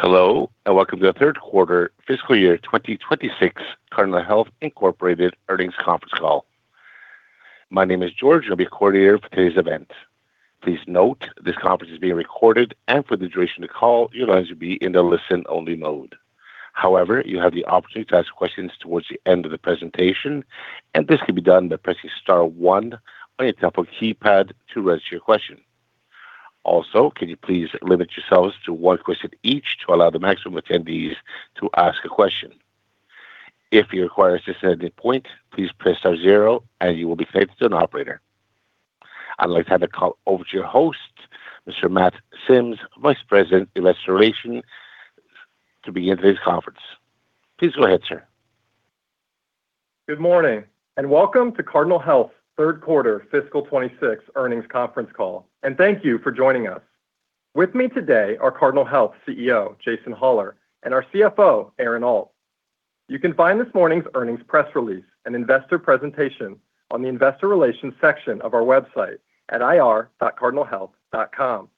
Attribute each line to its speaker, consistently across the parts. Speaker 1: Hello, and welcome to the third quarter fiscal year 2026 Cardinal Health, Inc. earnings conference call. My name is George, and I'll be your coordinator for today's event. Please note, this conference is being recorded, and for the duration of the call, your lines will be in the listen-only mode. However, you have the opportunity to ask questions towards the end of the presentation, and this can be done by pressing star 1 on your telephone keypad to register your question. Also, can you please limit yourselves to one question each to allow the maximum attendees to ask a question. If you require assistance at any point, please press star 0 and you will be connected to an operator. I'd like to hand the call over to your host, Mr. Matt Sims, Vice President, Investor Relations, to begin today's conference. Please go ahead, sir.
Speaker 2: Good morning, and welcome to Cardinal Health third quarter fiscal 2026 earnings conference call. Thank you for joining us. With me today are Cardinal Health CEO, Jason Hollar, and our CFO, Aaron Alt. You can find this morning's earnings press release and investor presentation on the investor relations section of our website at ir.cardinalhealth.com.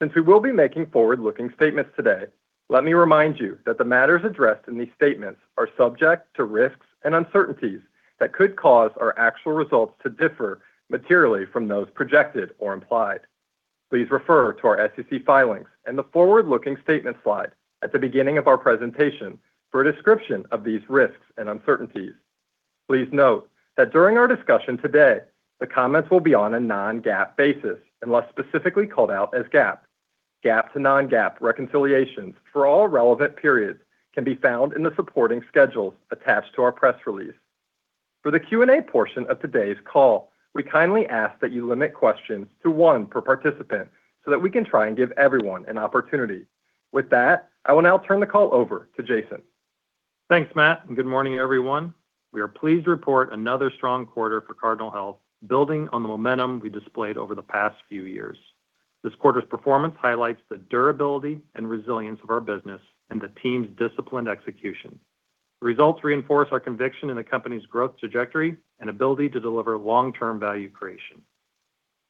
Speaker 2: Since we will be making forward-looking statements today, let me remind you that the matters addressed in these statements are subject to risks and uncertainties that could cause our actual results to differ materially from those projected or implied. Please refer to our SEC filings and the forward-looking statement slide at the beginning of our presentation for a description of these risks and uncertainties. Please note that during our discussion today, the comments will be on a non-GAAP basis, unless specifically called out as GAAP. GAAP to non-GAAP reconciliations for all relevant periods can be found in the supporting schedules attached to our press release. For the Q&A portion of today's call, we kindly ask that you limit questions to one per participant so that we can try and give everyone an opportunity. With that, I will now turn the call over to Jason.
Speaker 3: Thanks, Matt. Good morning, everyone. We are pleased to report another strong quarter for Cardinal Health, building on the momentum we displayed over the past few years. This quarter's performance highlights the durability and resilience of our business and the team's disciplined execution. Results reinforce our conviction in the company's growth trajectory and ability to deliver long-term value creation.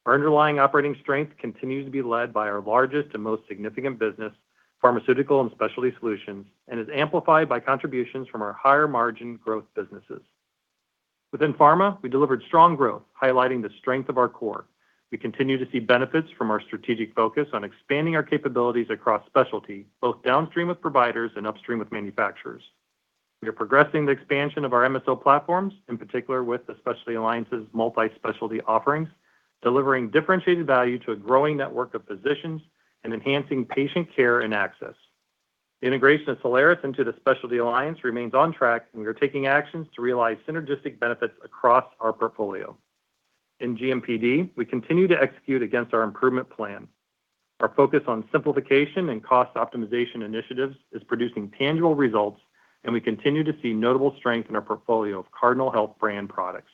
Speaker 3: Our underlying operating strength continues to be led by our largest and most significant business, Pharmaceutical and Specialty Solutions, and is amplified by contributions from our higher margin growth businesses. Within Pharma, we delivered strong growth, highlighting the strength of our core. We continue to see benefits from our strategic focus on expanding our capabilities across specialty, both downstream with providers and upstream with manufacturers. We are progressing the expansion of our MSO platforms, in particular with the Specialty Alliance's multi-specialty offerings, delivering differentiated value to a growing network of physicians and enhancing patient care and access. The integration of Solaris into the Specialty Alliance remains on track, we are taking actions to realize synergistic benefits across our portfolio. In GMPD, we continue to execute against our improvement plan. Our focus on simplification and cost optimization initiatives is producing tangible results, and we continue to see notable strength in our portfolio of Cardinal Health brand products.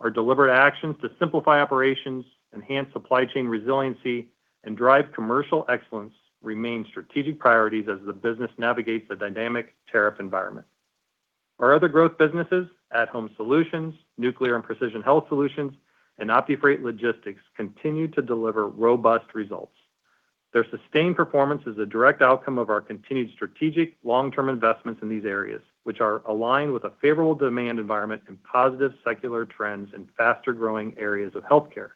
Speaker 3: Our deliberate actions to simplify operations, enhance supply chain resiliency, and drive commercial excellence remain strategic priorities as the business navigates the dynamic tariff environment. Our other growth businesses, At-Home Solutions, Nuclear and Precision Health Solutions, and OptiFreight Logistics, continue to deliver robust results. Their sustained performance is a direct outcome of our continued strategic long-term investments in these areas, which are aligned with a favorable demand environment and positive secular trends in faster-growing areas of healthcare.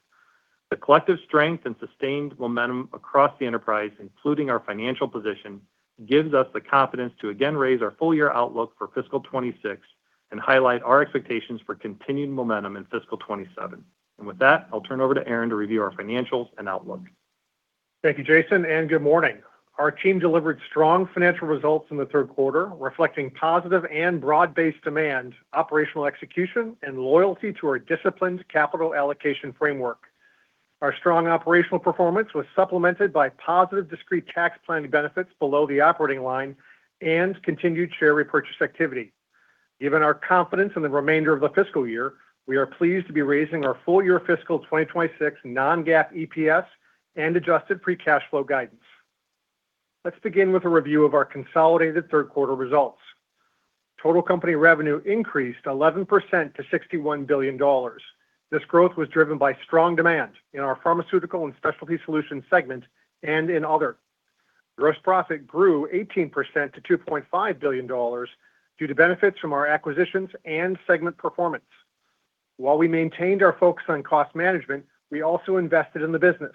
Speaker 3: The collective strength and sustained momentum across the enterprise, including our financial position, gives us the confidence to again raise our full-year outlook for fiscal 2026 and highlight our expectations for continued momentum in fiscal 2027. With that, I'll turn over to Aaron to review our financials and outlook.
Speaker 4: Thank you, Jason. Good morning. Our team delivered strong financial results in the third quarter, reflecting positive and broad-based demand, operational execution, and loyalty to our disciplined capital allocation framework. Our strong operational performance was supplemented by positive discrete tax planning benefits below the operating line and continued share repurchase activity. Given our confidence in the remainder of the fiscal year, we are pleased to be raising our full-year fiscal 2026 non-GAAP EPS and adjusted pre-cash flow guidance. Let's begin with a review of our consolidated third quarter results. Total company revenue increased 11% to $61 billion. This growth was driven by strong demand in our Pharmaceutical and Specialty Solutions segment and in other. Gross profit grew 18% to $2.5 billion due to benefits from our acquisitions and segment performance. While we maintained our focus on cost management, we also invested in the business,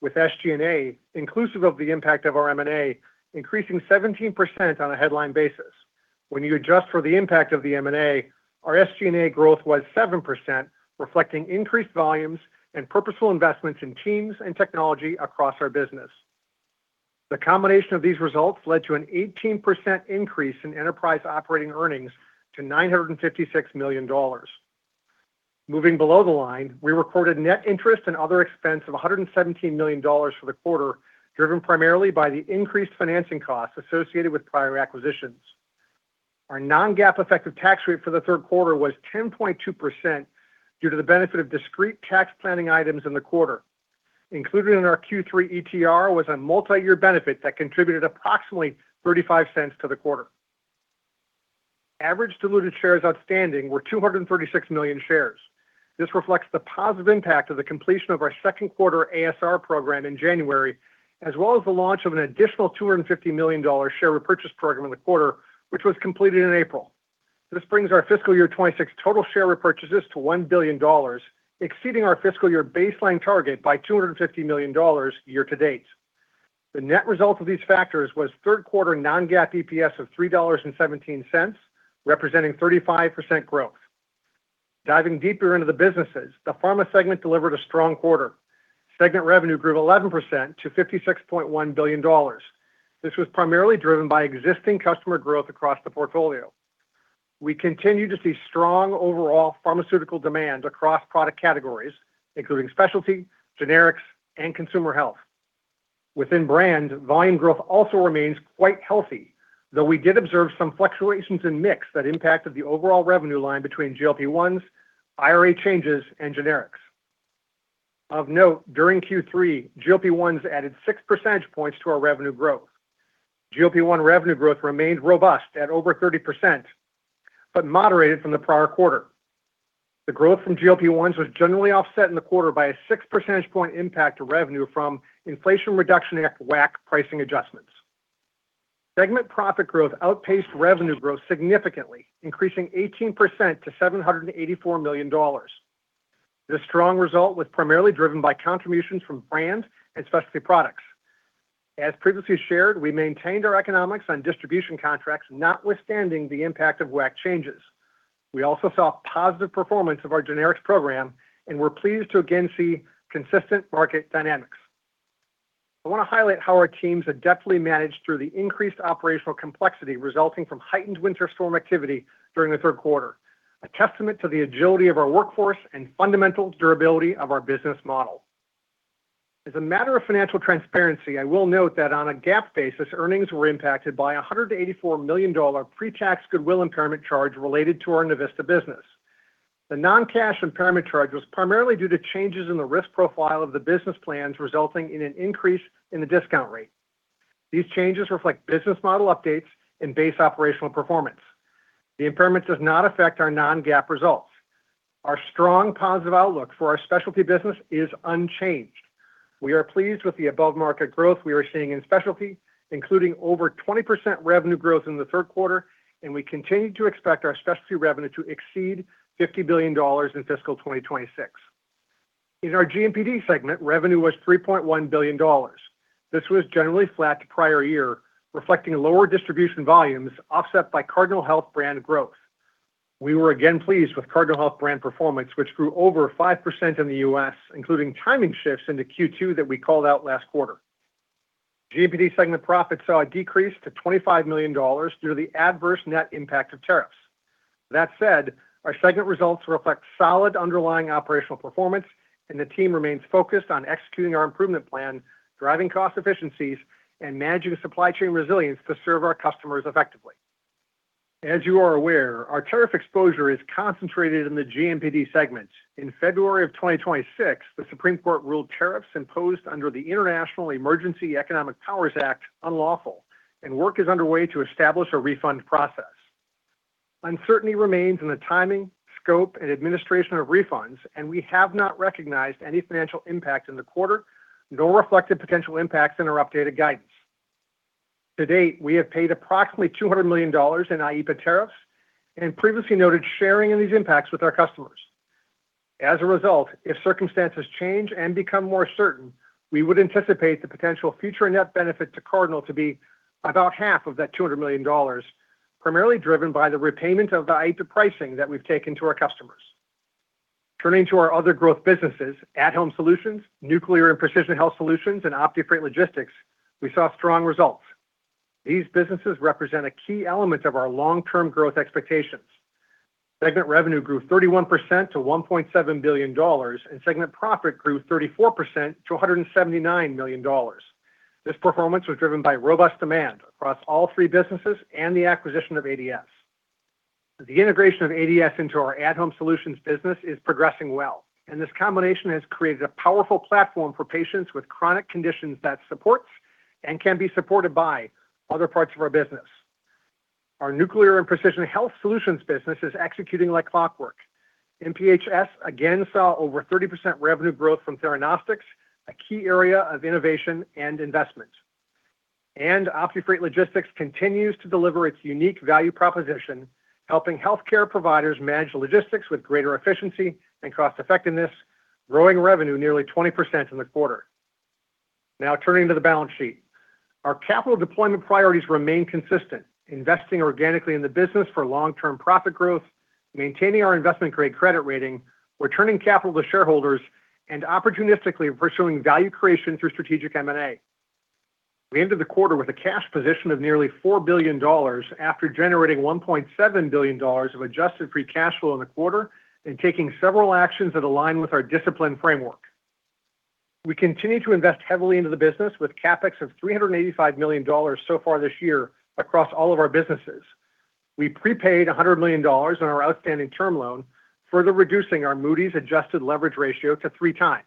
Speaker 4: with SG&A, inclusive of the impact of our M&A, increasing 17% on a headline basis. When you adjust for the impact of the M&A, our SG&A growth was 7%, reflecting increased volumes and purposeful investments in teams and technology across our business. The combination of these results led to an 18% increase in enterprise operating earnings to $956 million. Moving below the line, we recorded net interest and other expense of $117 million for the quarter, driven primarily by the increased financing costs associated with prior acquisitions. Our non-GAAP effective tax rate for the third quarter was 10.2% due to the benefit of discrete tax planning items in the quarter. Included in our Q3 ETR was a multi-year benefit that contributed approximately $0.35 to the quarter. Average diluted shares outstanding were 236 million shares. This reflects the positive impact of the completion of our second quarter ASR program in January, as well as the launch of an additional $250 million share repurchase program in the quarter, which was completed in April. This brings our fiscal year 2026 total share repurchases to $1 billion, exceeding our fiscal year baseline target by $250 million year to date. The net result of these factors was third quarter non-GAAP EPS of $3.17, representing 35% growth. Diving deeper into the businesses, the pharma segment delivered a strong quarter. Segment revenue grew 11% to $56.1 billion. This was primarily driven by existing customer growth across the portfolio. We continue to see strong overall pharmaceutical demand across product categories, including specialty, generics, and consumer health. Within brand, volume growth also remains quite healthy, though we did observe some fluctuations in mix that impacted the overall revenue line between GLP-1s, IRA changes, and generics. Of note, during Q3, GLP-1s added 6 percentage points to our revenue growth. GLP-1 revenue growth remained robust at over 30% but moderated from the prior quarter. The growth from GLP-1s was generally offset in the quarter by a 6 percentage point impact to revenue from Inflation Reduction Act WAC pricing adjustments. Segment profit growth outpaced revenue growth significantly, increasing 18% to $784 million. This strong result was primarily driven by contributions from brand and specialty products. As previously shared, we maintained our economics on distribution contracts notwithstanding the impact of WAC changes. We also saw positive performance of our generics program, we're pleased to again see consistent market dynamics. I want to highlight how our teams have deftly managed through the increased operational complexity resulting from heightened winter storm activity during the third quarter, a testament to the agility of our workforce and fundamental durability of our business model. As a matter of financial transparency, I will note that on a GAAP basis, earnings were impacted by a $184 million pre-tax goodwill impairment charge related to our Navista business. The non-cash impairment charge was primarily due to changes in the risk profile of the business plans resulting in an increase in the discount rate. These changes reflect business model updates and base operational performance. The impairment does not affect our non-GAAP results. Our strong positive outlook for our specialty business is unchanged. We are pleased with the above-market growth we are seeing in specialty, including over 20% revenue growth in the third quarter, and we continue to expect our specialty revenue to exceed $50 billion in fiscal 2026. In our GMPD segment, revenue was $3.1 billion. This was generally flat to prior year, reflecting lower distribution volumes offset by Cardinal Health brand growth. We were again pleased with Cardinal Health brand performance, which grew over 5% in the U.S., including timing shifts into Q2 that we called out last quarter. GMPD segment profits saw a decrease to $25 million due to the adverse net impact of tariffs. That said, our segment results reflect solid underlying operational performance, and the team remains focused on executing our improvement plan, driving cost efficiencies, and managing supply chain resilience to serve our customers effectively. As you are aware, our tariff exposure is concentrated in the GDPMD segment. In February of 2026, the Supreme Court ruled tariffs imposed under the International Emergency Economic Powers Act unlawful, and work is underway to establish a refund process. Uncertainty remains in the timing, scope, and administration of refunds, and we have not recognized any financial impact in the quarter, nor reflected potential impacts in our updated guidance. To date, we have paid approximately $200 million in IEEPA tariffs and previously noted sharing in these impacts with our customers. As a result, if circumstances change and become more certain, we would anticipate the potential future net benefit to Cardinal to be about half of that two hundred million dollars, primarily driven by the repayment of the IEEPA pricing that we've taken to our customers. Turning to our other growth businesses, At-Home Solutions, Nuclear and Precision Health Solutions, and OptiFreight Logistics, we saw strong results. These businesses represent a key element of our long-term growth expectations. Segment revenue grew 31% to $1.7 billion, and segment profit grew 34% to $179 million. This performance was driven by robust demand across all three businesses and the acquisition of ADS. The integration of ADS into our At-Home Solutions business is progressing well. This combination has created a powerful platform for patients with chronic conditions that supports and can be supported by other parts of our business. Our Nuclear & Precision Health Solutions business is executing like clockwork. NPHS again saw over 30% revenue growth from Theranostics, a key area of innovation and investment. OptiFreight Logistics continues to deliver its unique value proposition, helping healthcare providers manage logistics with greater efficiency and cost effectiveness, growing revenue nearly 20% in the quarter. Now turning to the balance sheet. Our capital deployment priorities remain consistent: investing organically in the business for long-term profit growth, maintaining our investment-grade credit rating, returning capital to shareholders, and opportunistically pursuing value creation through strategic M&A. We ended the quarter with a cash position of nearly $4 billion after generating $1.7 billion of adjusted free cash flow in the quarter and taking several actions that align with our discipline framework. We continue to invest heavily into the business with CapEx of $385 million so far this year across all of our businesses. We prepaid $100 million on our outstanding term loan, further reducing our Moody's adjusted leverage ratio to 3 times.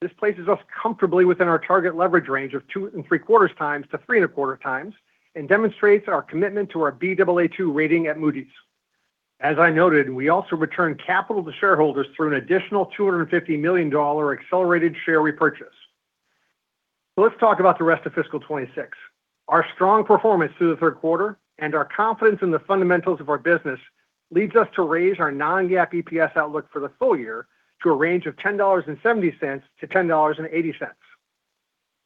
Speaker 4: This places us comfortably within our target leverage range of 2.75 times to 3.25 times and demonstrates our commitment to our Baa2 rating at Moody's. As I noted, we also returned capital to shareholders through an additional $250 million accelerated share repurchase. Let's talk about the rest of fiscal 2026. Our strong performance through the third quarter and our confidence in the fundamentals of our business leads us to raise our non-GAAP EPS outlook for the full year to a range of $10.70-$10.80.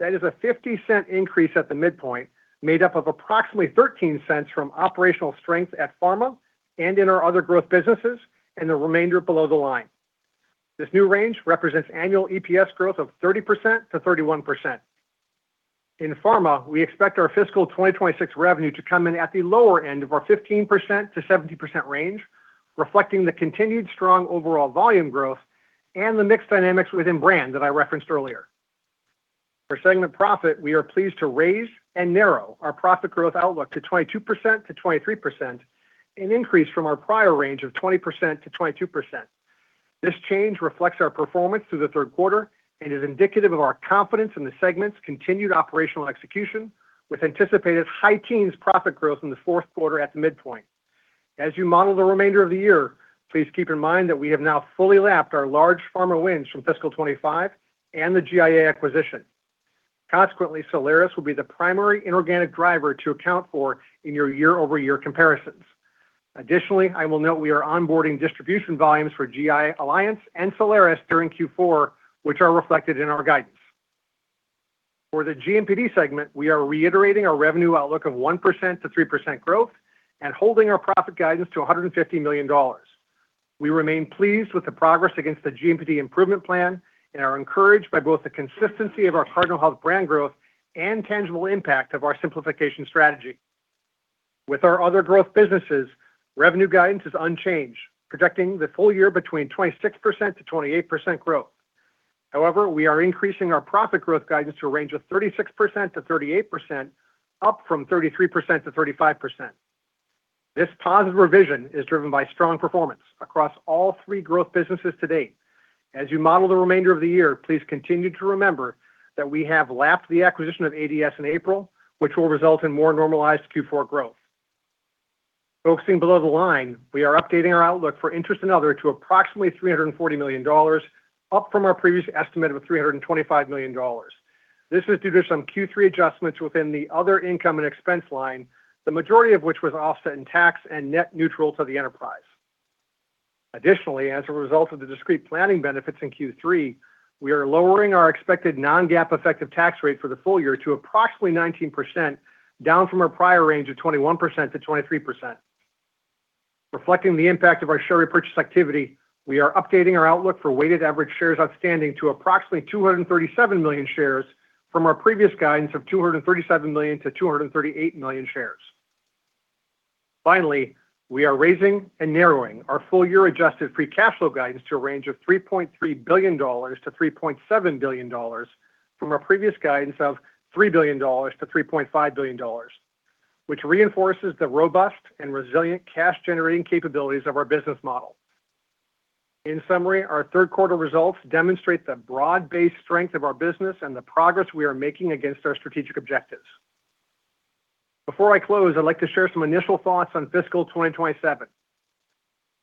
Speaker 4: That is a $0.50 increase at the midpoint, made up of approximately $0.13 from operational strength at Pharma and in our other growth businesses and the remainder below the line. This new range represents annual EPS growth of 30%-31%. In Pharma, we expect our fiscal 2026 revenue to come in at the lower end of our 15%-70% range, reflecting the continued strong overall volume growth and the mix dynamics within brand that I referenced earlier. For segment profit, we are pleased to raise and narrow our profit growth outlook to 22%-23%, an increase from our prior range of 20%-22%. This change reflects our performance through the third quarter and is indicative of our confidence in the segment's continued operational execution with anticipated high teens profit growth in the fourth quarter at the midpoint. As you model the remainder of the year, please keep in mind that we have now fully lapped our large pharma wins from FY 2025 and the GIA acquisition. Consequently, Solaris will be the primary inorganic driver to account for in your year-over-year comparisons. Additionally, I will note we are onboarding distribution volumes for GI Alliance and Solaris during Q4, which are reflected in our guidance. For the GMPD segment, we are reiterating our revenue outlook of 1%-3% growth and holding our profit guidance to $150 million. We remain pleased with the progress against the GMPD improvement plan and are encouraged by both the consistency of our Cardinal Health brand growth and tangible impact of our simplification strategy. With our other growth businesses, revenue guidance is unchanged, projecting the full year between 26%-28% growth. However, we are increasing our profit growth guidance to a range of 36%-38%, up from 33%-35%. This positive revision is driven by strong performance across all three growth businesses to date. As you model the remainder of the year, please continue to remember that we have lapped the acquisition of ADS in April, which will result in more normalized Q4 growth. Focusing below the line, we are updating our outlook for interest and other to approximately $340 million, up from our previous estimate of $325 million. This is due to some Q3 adjustments within the other income and expense line, the majority of which was offset in tax and net neutral to the enterprise. Additionally, as a result of the discrete planning benefits in Q3, we are lowering our expected non-GAAP effective tax rate for the full year to approximately 19%, down from our prior range of 21%-23%. Reflecting the impact of our share repurchase activity, we are updating our outlook for weighted average shares outstanding to approximately 237 million shares from our previous guidance of 237 million-238 million shares. Finally, we are raising and narrowing our full year adjusted free cash flow guidance to a range of $3.3 billion-$3.7 billion from our previous guidance of $3 billion-$3.5 billion, which reinforces the robust and resilient cash generating capabilities of our business model. In summary, our third quarter results demonstrate the broad-based strength of our business and the progress we are making against our strategic objectives. Before I close, I'd like to share some initial thoughts on fiscal 2027.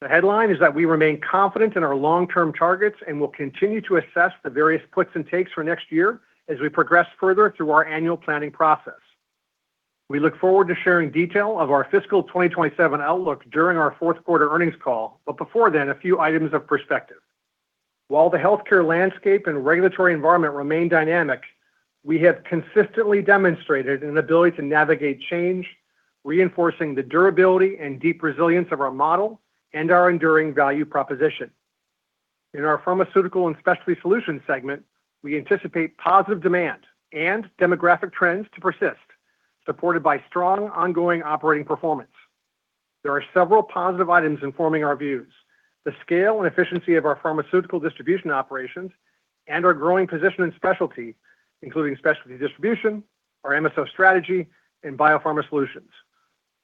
Speaker 4: The headline is that we remain confident in our long-term targets and will continue to assess the various puts and takes for next year as we progress further through our annual planning process. We look forward to sharing detail of our fiscal 2027 outlook during our fourth quarter earnings call. Before then, a few items of perspective. While the healthcare landscape and regulatory environment remain dynamic, we have consistently demonstrated an ability to navigate change, reinforcing the durability and deep resilience of our model and our enduring value proposition. In our Pharmaceutical and Specialty Solutions segment, we anticipate positive demand and demographic trends to persist, supported by strong ongoing operating performance. There are several positive items informing our views. The scale and efficiency of our pharmaceutical distribution operations and our growing position in specialty, including specialty distribution, our MSO strategy, and Biopharma Solutions.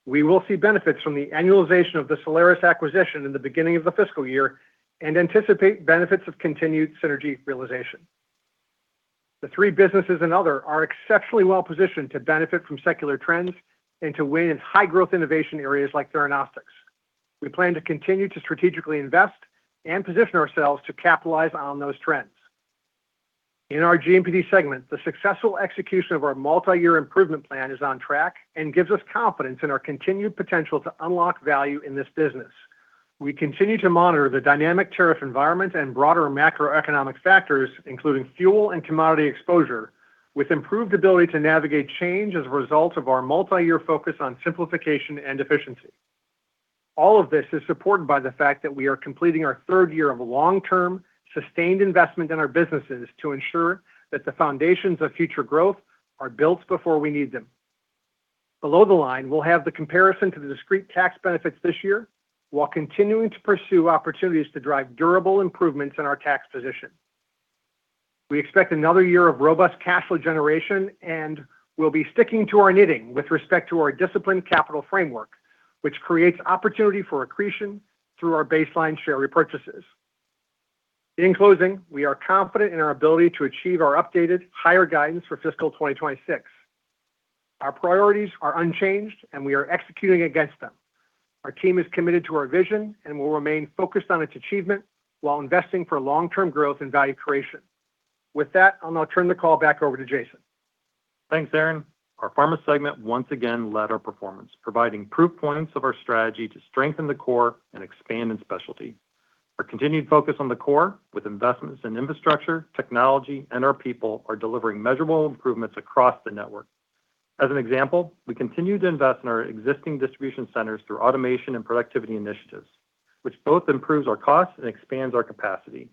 Speaker 4: We will see benefits from the annualization of the Solaris acquisition in the beginning of the fiscal year and anticipate benefits of continued synergy realization. The three businesses and other are exceptionally well positioned to benefit from secular trends and to win in high growth innovation areas like theranostics. We plan to continue to strategically invest and position ourselves to capitalize on those trends. In our GDPMD segment, the successful execution of our multi-year improvement plan is on track and gives us confidence in our continued potential to unlock value in this business. We continue to monitor the dynamic tariff environment and broader macroeconomic factors, including fuel and commodity exposure, with improved ability to navigate change as a result of our multi-year focus on simplification and efficiency. All of this is supported by the fact that we are completing our third year of long-term, sustained investment in our businesses to ensure that the foundations of future growth are built before we need them. Below the line, we'll have the comparison to the discrete tax benefits this year while continuing to pursue opportunities to drive durable improvements in our tax position. We expect another year of robust cash flow generation, and we'll be sticking to our knitting with respect to our disciplined capital framework. Which creates opportunity for accretion through our baseline share repurchases. In closing, we are confident in our ability to achieve our updated higher guidance for fiscal 2026. Our priorities are unchanged, and we are executing against them. Our team is committed to our vision and will remain focused on its achievement while investing for long-term growth and value creation. With that, I'll now turn the call back over to Jason.
Speaker 3: Thanks, Aaron Alt. Our pharma segment once again led our performance, providing proof points of our strategy to strengthen the core and expand in Specialty. Our continued focus on the core with investments in infrastructure, technology, and our people are delivering measurable improvements across the network. As an example, we continue to invest in our existing distribution centers through automation and productivity initiatives, which both improves our costs and expands our capacity.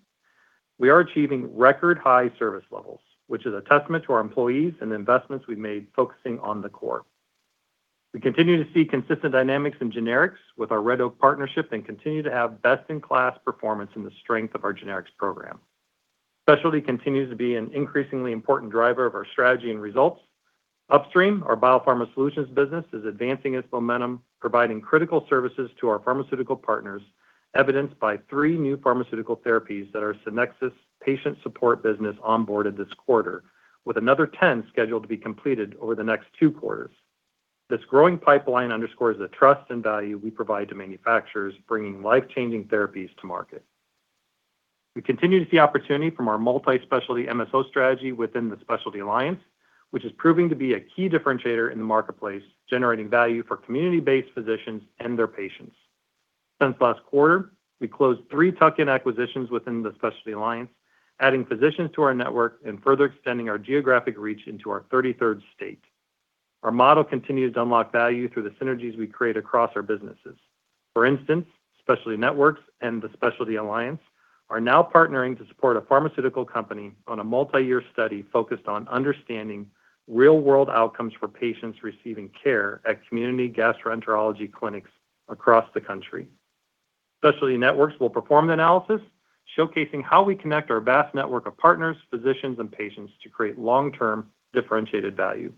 Speaker 3: We are achieving record high service levels, which is a testament to our employees and the investments we've made focusing on the core. We continue to see consistent dynamics in generics with our Red Oak partnership and continue to have best-in-class performance in the strength of our generics program. Specialty continues to be an increasingly important driver of our strategy and results. Upstream, our Biopharma Solutions business is advancing its momentum, providing critical services to our pharmaceutical partners, evidenced by 3 new pharmaceutical therapies that our Synexus patient support business onboarded this quarter, with another 10 scheduled to be completed over the next 2 quarters. This growing pipeline underscores the trust and value we provide to manufacturers bringing life-changing therapies to market. We continue to see opportunity from our multi-specialty MSO strategy within the Specialty Alliance, which is proving to be a key differentiator in the marketplace, generating value for community-based physicians and their patients. Since last quarter, we closed 3 tuck-in acquisitions within the Specialty Alliance, adding physicians to our network and further extending our geographic reach into our 33rd state. Our model continues to unlock value through the synergies we create across our businesses. For instance, Specialty Networks and The Specialty Alliance are now partnering to support a pharmaceutical company on a multi-year study focused on understanding real-world outcomes for patients receiving care at community gastroenterology clinics across the country. Specialty Networks will perform the analysis, showcasing how we connect our vast network of partners, physicians, and patients to create long-term differentiated value.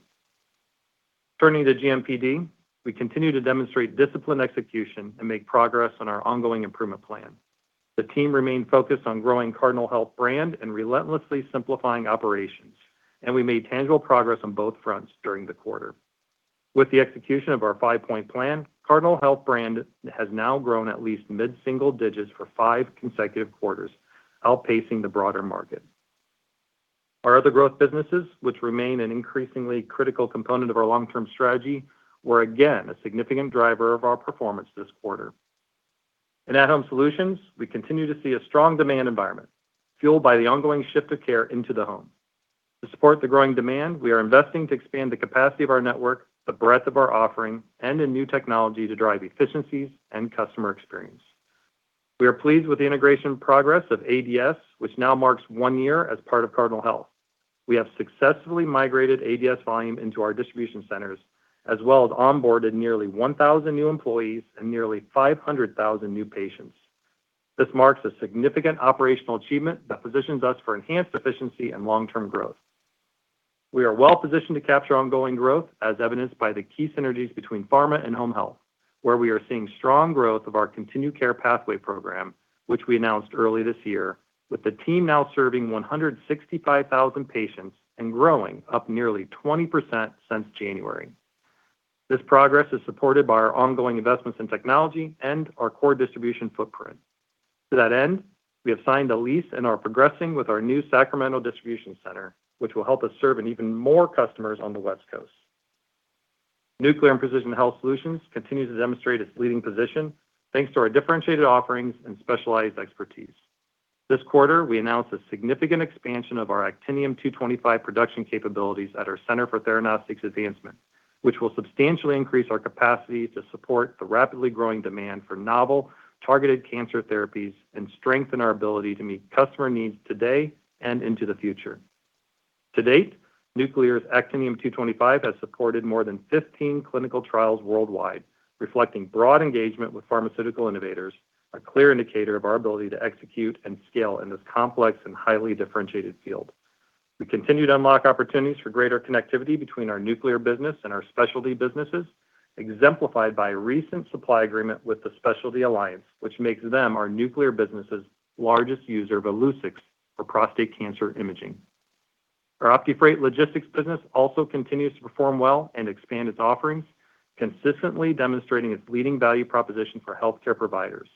Speaker 3: Turning to GDPMD, we continue to demonstrate disciplined execution and make progress on our ongoing improvement plan. The team remained focused on growing Cardinal Health brand and relentlessly simplifying operations, and we made tangible progress on both fronts during the quarter. With the execution of our five-point plan, Cardinal Health brand has now grown at least mid-single digits for five consecutive quarters, outpacing the broader market. Our other growth businesses, which remain an increasingly critical component of our long-term strategy, were again a significant driver of our performance this quarter. In At-Home Solutions, we continue to see a strong demand environment fueled by the ongoing shift of care into the home. To support the growing demand, we are investing to expand the capacity of our network, the breadth of our offering, and in new technology to drive efficiencies and customer experience. We are pleased with the integration progress of ADS, which now marks 1 year as part of Cardinal Health. We have successfully migrated ADS volume into our distribution centers, as well as onboarded nearly 1,000 new employees and nearly 500,000 new patients. This marks a significant operational achievement that positions us for enhanced efficiency and long-term growth. We are well positioned to capture ongoing growth, as evidenced by the key synergies between Pharma and at-Home, where we are seeing strong growth of our Continued Care Pathway program, which we announced early this year, with the team now serving 165,000 patients and growing up nearly 20% since January. This progress is supported by our ongoing investments in technology and our core distribution footprint. To that end, we have signed a lease and are progressing with our new Sacramento Distribution Center, which will help us serve even more customers on the West Coast. Nuclear and Precision Health Solutions continues to demonstrate its leading position, thanks to our differentiated offerings and specialized expertise. This quarter, we announced a significant expansion of our Actinium-225 production capabilities at our Center for Theranostics Advancement, which will substantially increase our capacity to support the rapidly growing demand for novel, targeted cancer therapies and strengthen our ability to meet customer needs today and into the future. To date, Nuclear's Actinium-225 has supported more than 15 clinical trials worldwide, reflecting broad engagement with pharmaceutical innovators, a clear indicator of our ability to execute and scale in this complex and highly differentiated field. We continue to unlock opportunities for greater connectivity between our nuclear business and our specialty businesses, exemplified by a recent supply agreement with the Specialty Alliance, which makes them our nuclear business's largest user of Illuccix for prostate cancer imaging. Our OptiFreight Logistics business also continues to perform well and expand its offerings, consistently demonstrating its leading value proposition for healthcare providers.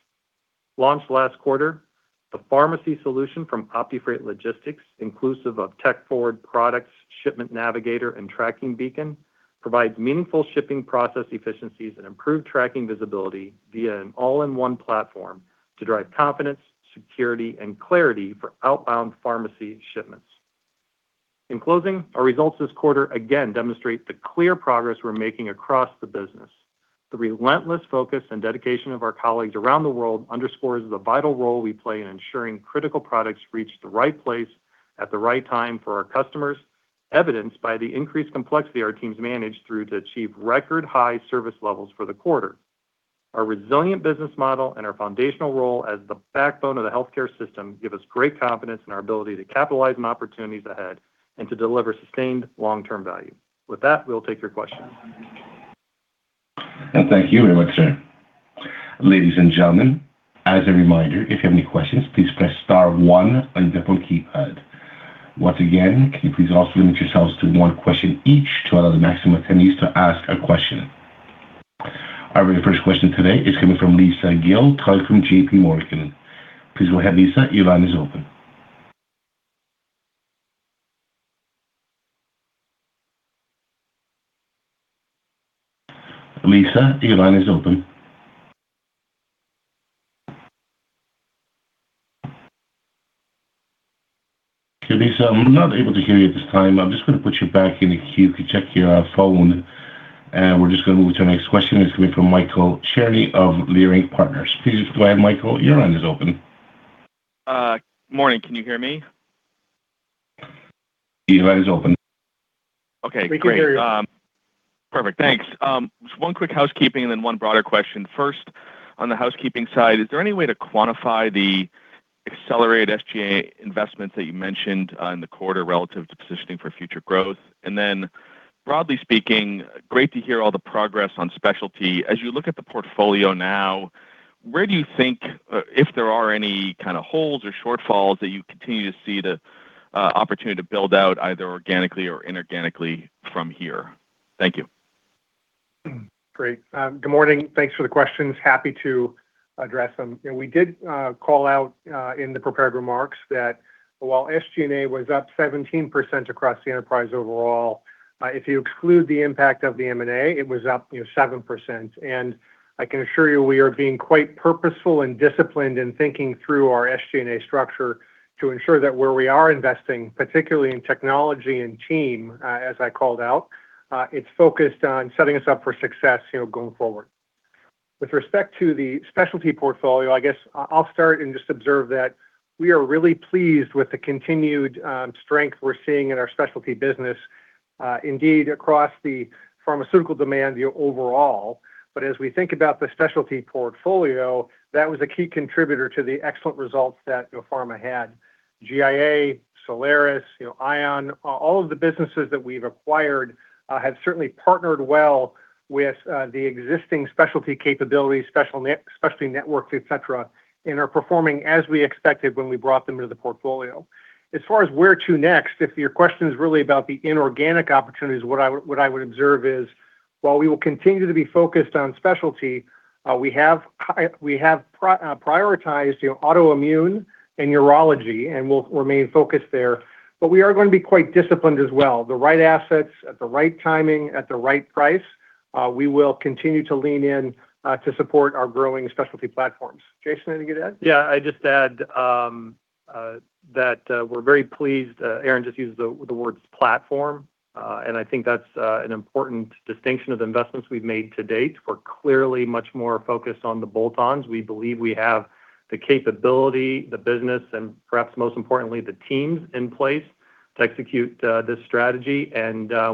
Speaker 3: Launched last quarter, the pharmacy solution from OptiFreight Logistics, inclusive of tech-forward products, Shipment Navigator, and Tracking Beacon, provides meaningful shipping process efficiencies and improved tracking visibility via an all-in-one platform to drive confidence, security, and clarity for outbound pharmacy shipments. In closing, our results this quarter again demonstrate the clear progress we're making across the business. The relentless focus and dedication of our colleagues around the world underscores the vital role we play in ensuring critical products reach the right place at the right time for our customers, evidenced by the increased complexity our teams managed through to achieve record high service levels for the quarter. Our resilient business model and our foundational role as the backbone of the healthcare system give us great confidence in our ability to capitalize on opportunities ahead and to deliver sustained long-term value. With that, we'll take your questions.
Speaker 1: Thank you very much, sir. Ladies and gentlemen, as a reminder, if you have any questions, please press star one on your phone keypad. Once again, can you please also limit yourselves to one question each to allow the maximum attendees to ask a question. All right, the first question today is coming from Lisa Gill, Taldum, JPMorgan. Please go ahead, Lisa. Your line is open. Lisa, your line is open. Okay, Lisa, I'm not able to hear you at this time. I'm just going to put you back in the queue. If you check your phone, and we're just going to move to our next question. It's coming from Michael Cherny of Leerink Partners. Please go ahead, Michael. Your line is open.
Speaker 5: Morning. Can you hear me?
Speaker 1: Your line is open.
Speaker 5: Okay, great.
Speaker 4: We can hear you.
Speaker 5: Perfect. Thanks. Just one quick housekeeping and then 1 broader question. First, on the housekeeping side, is there any way to quantify the accelerated SG&A investments that you mentioned in the quarter relative to positioning for future growth? Broadly speaking, great to hear all the progress on specialty. As you look at the portfolio now, where do you think if there are any kind of holes or shortfalls that you continue to see the opportunity to build out either organically or inorganically from here? Thank you.
Speaker 4: Great. Good morning. Thanks for the questions. Happy to address them. You know, we did call out in the prepared remarks that while SG&A was up 17% across the enterprise overall, if you exclude the impact of the M&A, it was up, you know, 7%. I can assure you we are being quite purposeful and disciplined in thinking through our SG&A structure to ensure that where we are investing, particularly in technology and team, as I called out, it's focused on setting us up for success, you know, going forward. With respect to the specialty portfolio, I guess I'll start and just observe that we are really pleased with the continued strength we're seeing in our specialty business, indeed across the pharmaceutical demand, you know, overall. As we think about the specialty portfolio, that was a key contributor to the excellent results that, you know, Pharma had. GIA, Solaris, you know, Ion, all of the businesses that we've acquired have certainly partnered well with the existing specialty capabilities, Specialty Networks, et cetera, and are performing as we expected when we brought them into the portfolio. As far as where to next, if your question is really about the inorganic opportunities, what I, what I would observe is while we will continue to be focused on specialty, we have prioritized, you know, autoimmune and urology, and we'll remain focused there. We are going to be quite disciplined as well. The right assets at the right timing at the right price, we will continue to lean in to support our growing specialty platforms. Jason, anything to add?
Speaker 3: Yeah, I'd just add that we're very pleased, Aaron just used the words platform. I think that's an important distinction of the investments we've made to date. We're clearly much more focused on the bolt-ons. We believe we have the capability, the business, and perhaps most importantly, the teams in place to execute this strategy.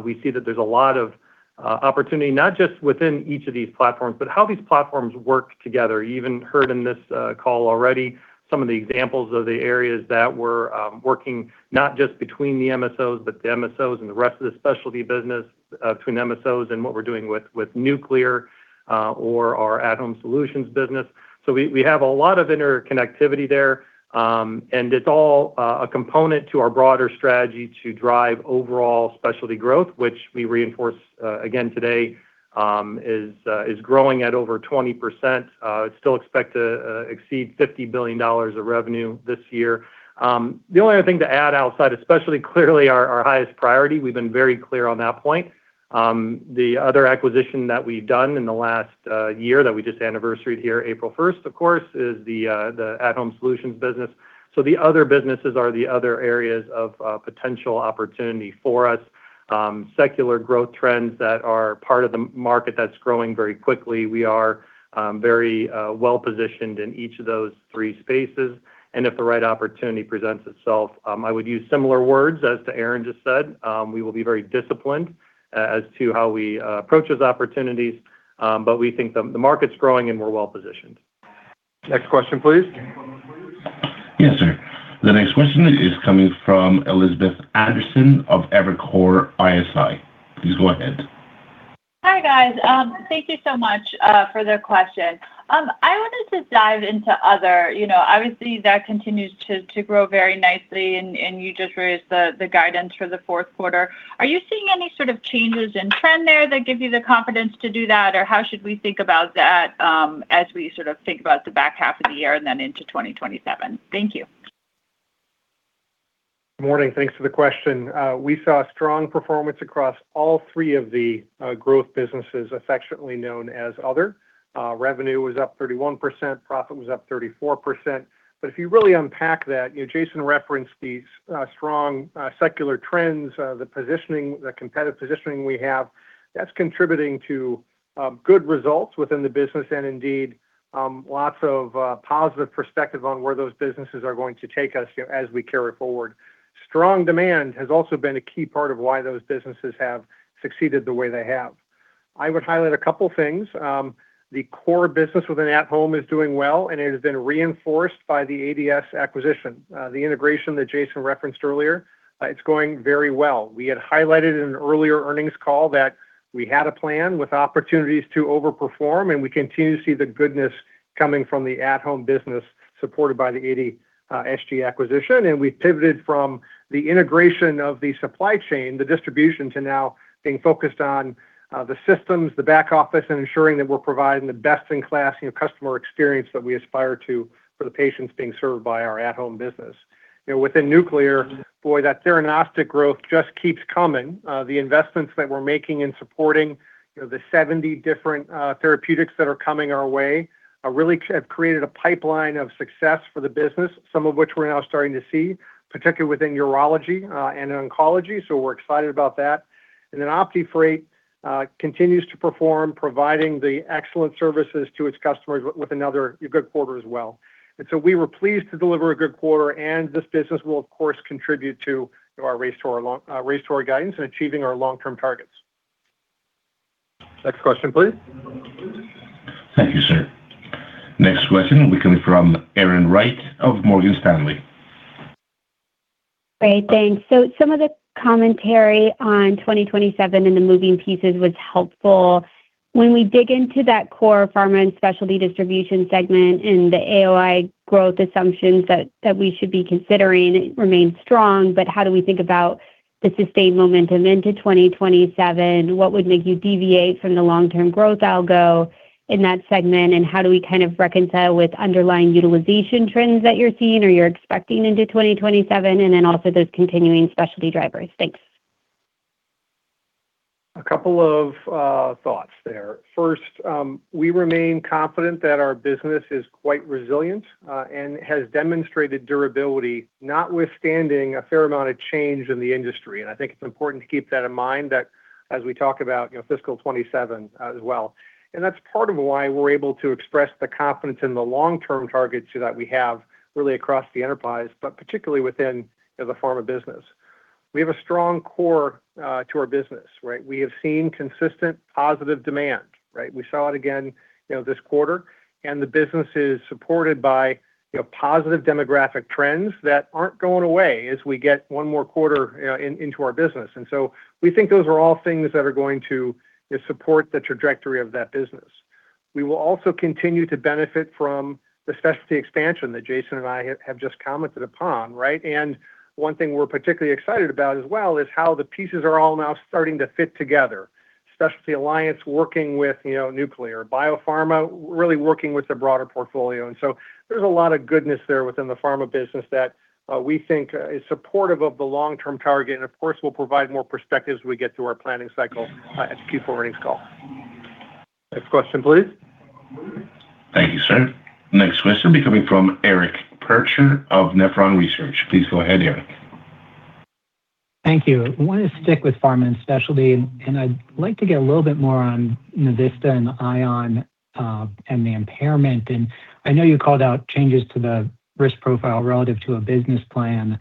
Speaker 3: We see that there's a lot of opportunity, not just within each of these platforms, but how these platforms work together. You even heard in this call already some of the examples of the areas that we're working not just between the MSOs, but the MSOs and the rest of the specialty business, between MSOs and what we're doing with Nuclear or our At-Home Solutions business. We have a lot of interconnectivity there. And it's all a component to our broader strategy to drive overall specialty growth, which we reinforce again today, is growing at over 20%. Still expect to exceed $50 billion of revenue this year. The only other thing to add outside, especially clearly our highest priority, we've been very clear on that point. The other acquisition that we've done in the last year that we just anniversaried here April 1st, of course, is the At-Home Solutions business. The other businesses are the other areas of potential opportunity for us. Secular growth trends that are part of the market that's growing very quickly. We are very well-positioned in each of those three spaces. And if the right opportunity presents itself, I would use similar words as to Aaron just said. We will be very disciplined as to how we approach those opportunities. We think the market's growing and we're well-positioned. Next question, please.
Speaker 1: Yes, sir. The next question is coming from Elizabeth Anderson of Evercore ISI. Please go ahead.
Speaker 6: Hi, guys. Thank you so much for the question. I wanted to dive into other. You know, obviously that continues to grow very nicely and you just raised the guidance for the fourth quarter. Are you seeing any sort of changes in trend there that give you the confidence to do that? Or how should we think about that as we sort of think about the back half of the year and then into 2027? Thank you.
Speaker 4: Morning. Thanks for the question. We saw strong performance across all three of the growth businesses affectionately known as Other. Revenue was up 31%, profit was up 34%. If you really unpack that, you know, Jason referenced the strong secular trends, the positioning, the competitive positioning we have, that's contributing to good results within the business and indeed, lots of positive perspective on where those businesses are going to take us, you know, as we carry forward. Strong demand has also been a key part of why those businesses have succeeded the way they have. I would highlight a couple things. The core business within at-Home is doing well, and it has been reinforced by the ADS acquisition. The integration that Jason referenced earlier, it's going very well. We had highlighted in an earlier earnings call that we had a plan with opportunities to overperform, and we continue to see the goodness coming from the at-Home business supported by the ADS acquisition. We pivoted from the integration of the supply chain, the distribution, to now being focused on the systems, the back office, and ensuring that we're providing the best in class, you know, customer experience that we aspire to for the patients being served by our at-Home business. You know, within Nuclear, boy, that theranostic growth just keeps coming. The investments that we're making in supporting, you know, the 70 different therapeutics that are coming our way, really have created a pipeline of success for the business, some of which we're now starting to see, particularly within urology and in oncology. We're excited about that. OptiFreight continues to perform, providing the excellent services to its customers with another good quarter as well. We were pleased to deliver a good quarter, and this business will of course contribute to our race to our guidance in achieving our long-term targets. Next question, please.
Speaker 1: Thank you, sir. Next question will be coming from Erin Wright of Morgan Stanley.
Speaker 7: Some of the commentary on 2027 and the moving pieces was helpful. When we dig into that core Pharmaceutical and Specialty Solutions segment and the AOI growth assumptions that we should be considering remain strong, but how do we think about the sustained momentum into 2027? What would make you deviate from the long-term growth algo in that segment? And how do we kind of reconcile with underlying utilization trends that you're seeing or you're expecting into 2027 and then also those continuing specialty drivers? Thanks.
Speaker 4: A couple of thoughts there. First, we remain confident that our business is quite resilient and has demonstrated durability notwithstanding a fair amount of change in the industry. I think it's important to keep that in mind that as we talk about, you know, fiscal 2027 as well. That's part of why we're able to express the confidence in the long-term targets that we have really across the enterprise, but particularly within, you know, the pharma business. We have a strong core to our business, right? We have seen consistent positive demand, right? We saw it again, you know, this quarter, and the business is supported by, you know, positive demographic trends that aren't going away as we get one more quarter into our business. We think those are all things that are going to support the trajectory of that business. We will also continue to benefit from the specialty expansion that Jason and I have just commented upon, right? One thing we're particularly excited about as well is how the pieces are all now starting to fit together. Specialty Alliance working with Nuclear. Biopharma really working with the broader portfolio. There's a lot of goodness there within the pharma business that we think is supportive of the long-term target, and of course, we'll provide more perspective as we get through our planning cycle at the Q4 earnings call. Next question, please.
Speaker 1: Thank you, sir. Next question will be coming from Eric Percher of Nephron Research. Please go ahead, Eric.
Speaker 8: Thank you. I want to stick with pharma and specialty, and I'd like to get a little bit more on Navista and Ion, and the impairment. I know you called out changes to the risk profile relative to a business plan.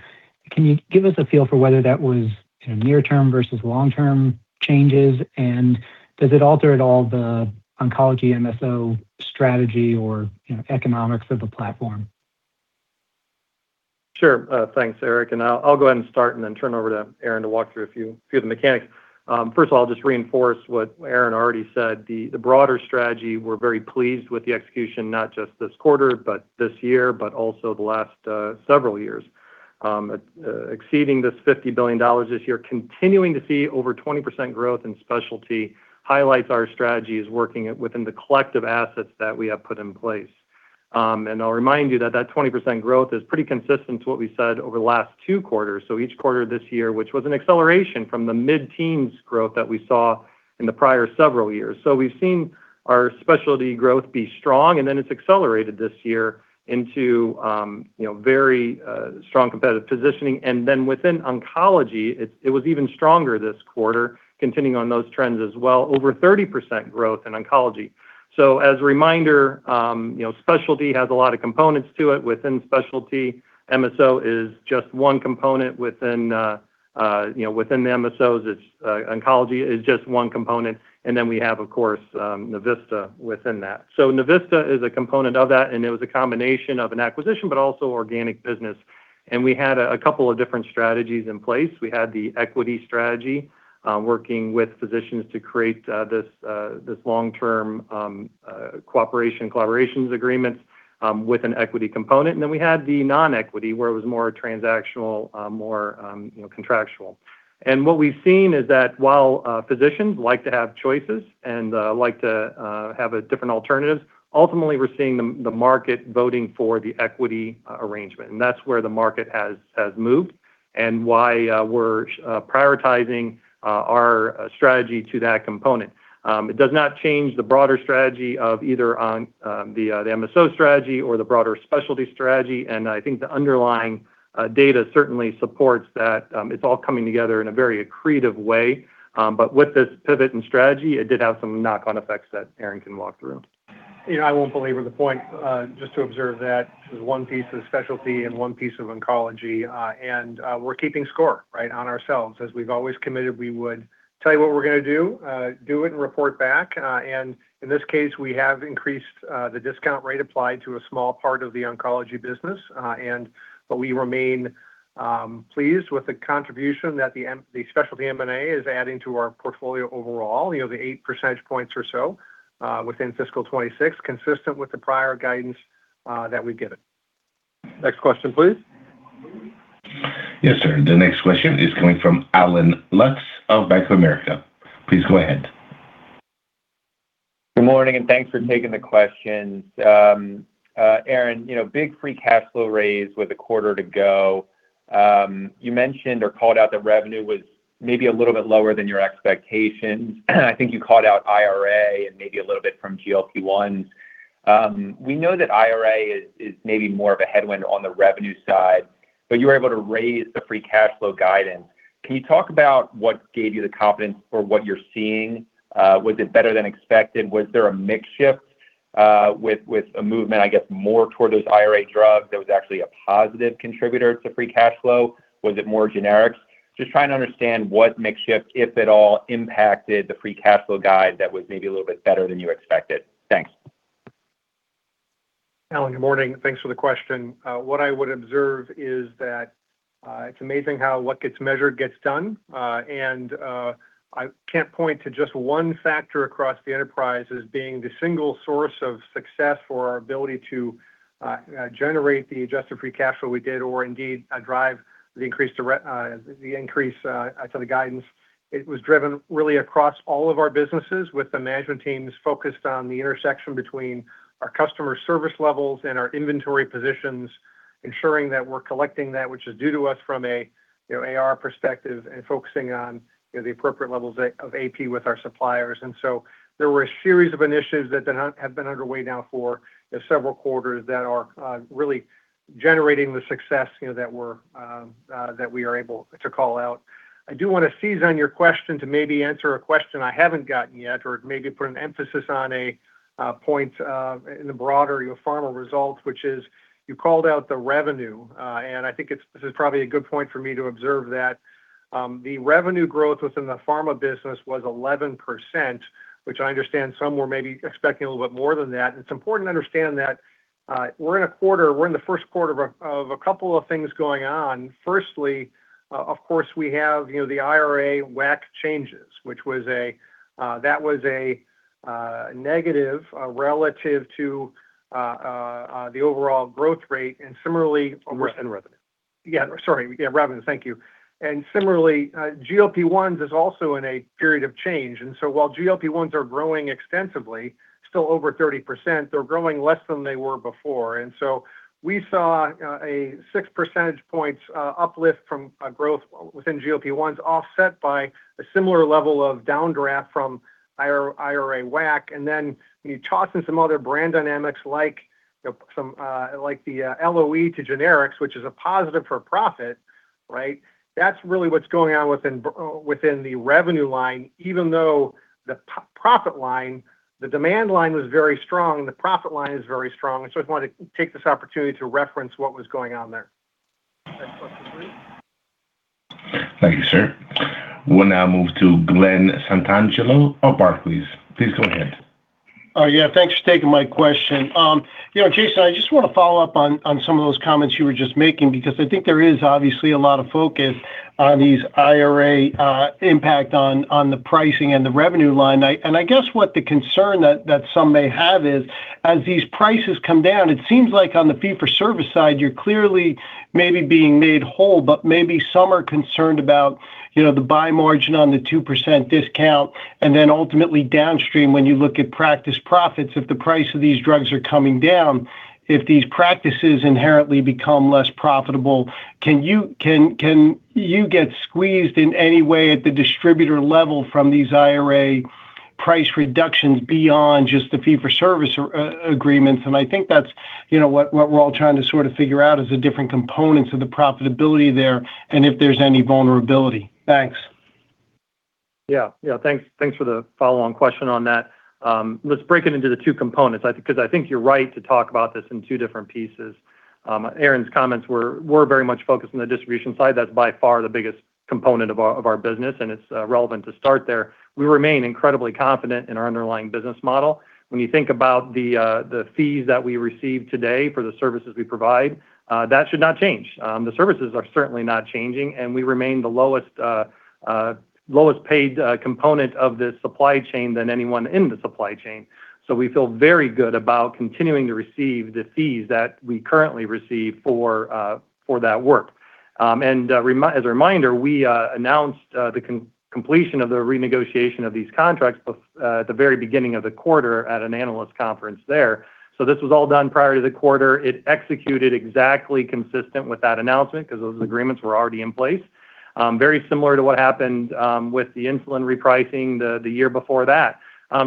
Speaker 8: Can you give us a feel for whether that was, you know, near term versus long-term changes? Does it alter at all the oncology MSO strategy or, you know, economics of the platform?
Speaker 3: Sure. Thanks, Eric. I'll go ahead and start and then turn over to Aaron to walk through a few of the mechanics. First of all, I'll just reinforce what Aaron already said. The broader strategy, we're very pleased with the execution not just this quarter, but this year, but also the last several years. Exceeding this $50 billion this year, continuing to see over 20% growth in specialty highlights our strategies working within the collective assets that we have put in place. I'll remind you that that 20% growth is pretty consistent to what we said over the last two quarters. Each quarter this year, which was an acceleration from the mid-teens growth that we saw in the prior several years. We've seen our specialty growth be strong, and then it's accelerated this year into, you know, very strong competitive positioning. Within oncology, it was even stronger this quarter, continuing on those trends as well, over 30% growth in oncology. As a reminder, you know, specialty has a lot of components to it. Within specialty, MSO is just one component within, you know, within the MSOs, it's oncology is just one component, and then we have, of course, Navista within that. Navista is a component of that, and it was a combination of an acquisition, but also organic business. We had a couple of different strategies in place. We had the equity strategy, working with physicians to create this long-term cooperation, collaborations agreements with an equity component. Then we had the non-equity, where it was more transactional, more, you know, contractual. What we've seen is that while physicians like to have choices and like to have a different alternative, ultimately we're seeing the market voting for the equity arrangement. That's where the market has moved and why we're prioritizing our strategy to that component. It does not change the broader strategy of either on the MSO strategy or the broader specialty strategy, and I think the underlying data certainly supports that. It's all coming together in a very accretive way. With this pivot in strategy, it did have some knock-on effects that Aaron can walk through.
Speaker 4: You know, I won't belabor the point, just to observe that this is one piece of specialty and one piece of oncology, and we're keeping score, right? On ourselves. As we've always committed, we would tell you what we're gonna do it and report back. In this case, we have increased the discount rate applied to a small part of the oncology business. We remain pleased with the contribution that the specialty M&A is adding to our portfolio overall, you know, the 8 percentage points or so, within fiscal 2026, consistent with the prior guidance that we've given. Next question please.
Speaker 1: Yes, sir. The next question is coming from Allen Lutz of Bank of America. Please go ahead.
Speaker 9: Good morning, thanks for taking the questions. Aaron, you know, big free cash flow raise with a quarter to go. You mentioned or called out that revenue was maybe a little bit lower than your expectations. I think you called out IRA and maybe a little bit from GLP-1s. We know that IRA is maybe more of a headwind on the revenue side, but you were able to raise the free cash flow guidance. Can you talk about what gave you the confidence for what you're seeing? Was it better than expected? Was there a mix shift, with a movement, I guess, more toward those IRA drugs that was actually a positive contributor to free cash flow? Was it more generics? Just trying to understand what mix shift, if at all, impacted the free cash flow guide that was maybe a little bit better than you expected. Thanks.
Speaker 4: Allen, good morning. Thanks for the question. What I would observe is that it's amazing how what gets measured gets done. I can't point to just one factor across the enterprise as being the single source of success for our ability to generate the adjusted free cash flow we did or indeed drive the increase to the guidance. It was driven really across all of our businesses with the management teams focused on the intersection between our customer service levels and our inventory positions, ensuring that we're collecting that which is due to us from a, you know, AR perspective and focusing on, you know, the appropriate levels of AP with our suppliers. There were a series of initiatives that have been underway now for, you know, several quarters that are really generating the success, you know, that we are able to call out. I do want to seize on your question to maybe answer a question I haven't gotten yet or maybe put an emphasis on a point in the broader, you know, pharma results, which is you called out the revenue. I think this is probably a good point for me to observe that the revenue growth within the pharma business was 11%, which I understand some were maybe expecting a little bit more than that. It's important to understand that we're in the first quarter of a couple of things going on. Firstly, of course, we have, you know, the IRA WAC changes, which was a, that was a negative, relative to, the overall growth rate. Similarly-
Speaker 3: Revenue.
Speaker 4: Sorry. Revenue. Thank you. Similarly, GLP-1s is also in a period of change. While GLP-1s are growing extensively, still over 30%, they're growing less than they were before. We saw a 6 percentage points uplift from growth within GLP-1s, offset by a similar level of downdraft from IRA WAC. When you toss in some other brand dynamics like the LOE to generics, which is a positive for profit, right? That's really what's going on within the revenue line, even though the demand line was very strong. The profit line is very strong. I just wanted to take this opportunity to reference what was going on there.
Speaker 3: Next question please.
Speaker 1: Thank you, sir. We'll now move to Glen Santangelo of Barclays. Please go ahead.
Speaker 10: Oh, yeah. Thanks for taking my question. you know, Jason, I just wanna follow up on some of those comments you were just making because I think there is obviously a lot of focus on these IRA impacts on pricing and the revenue line. I guess what the concern that some may have is as these prices come down, it seems like on the fee for service side, you're clearly maybe being made whole, but maybe some are concerned about, you know, the buy margin on the 2% discount, and then ultimately downstream, when you look at practice profits, if the price of these drugs are coming down, if these practices inherently become less profitable, can you get squeezed in any way at the distributor level from these IRA price reductions beyond just the fee for service or agreements? I think that's, you know, what we're all trying to sort of figure out is the different components of the profitability there and if there's any vulnerability. Thanks.
Speaker 3: Thanks, thanks for the follow-on question on that. Let's break it into the two components. I think you're right to talk about this in two different pieces. Aaron's comments were very much focused on the distribution side. That's by far the biggest component of our business, and it's relevant to start there. We remain incredibly confident in our underlying business model. When you think about the fees that we receive today for the services we provide, that should not change. The services are certainly not changing, and we remain the lowest paid component of the supply chain than anyone in the supply chain. We feel very good about continuing to receive the fees that we currently receive for that work. As a reminder, we announced the completion of the renegotiation of these contracts at the very beginning of the quarter at an analyst conference there. This was all done prior to the quarter. It executed exactly consistent with that announcement because those agreements were already in place. Very similar to what happened with the insulin repricing the year before that.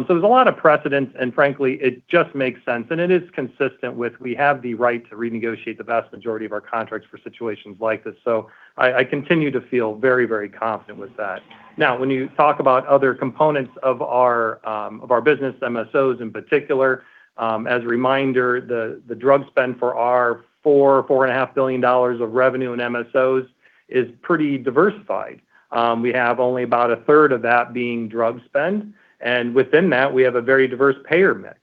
Speaker 3: There's a lot of precedents, and frankly it just makes sense, and it is consistent with we have the right to renegotiate the vast majority of our contracts for situations like this. I continue to feel very, very confident with that. Now, when you talk about other components of our of our business, MSOs in particular, as a reminder, the drug spend for our $4.5 billion of revenue in MSOs is pretty diversified. We have only about 1/3 of that being drug spend, and within that we have a very diverse payer mix.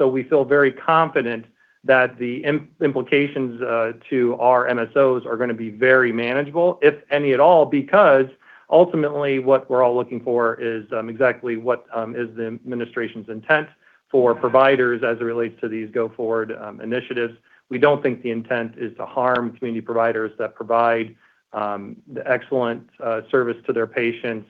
Speaker 3: We feel very confident that the implications to our MSOs are gonna be very manageable, if any at all, because ultimately what we're all looking for is exactly what is the administration's intent for providers as it relates to these go forward initiatives. We don't think the intent is to harm community providers that provide the excellent service to their patients,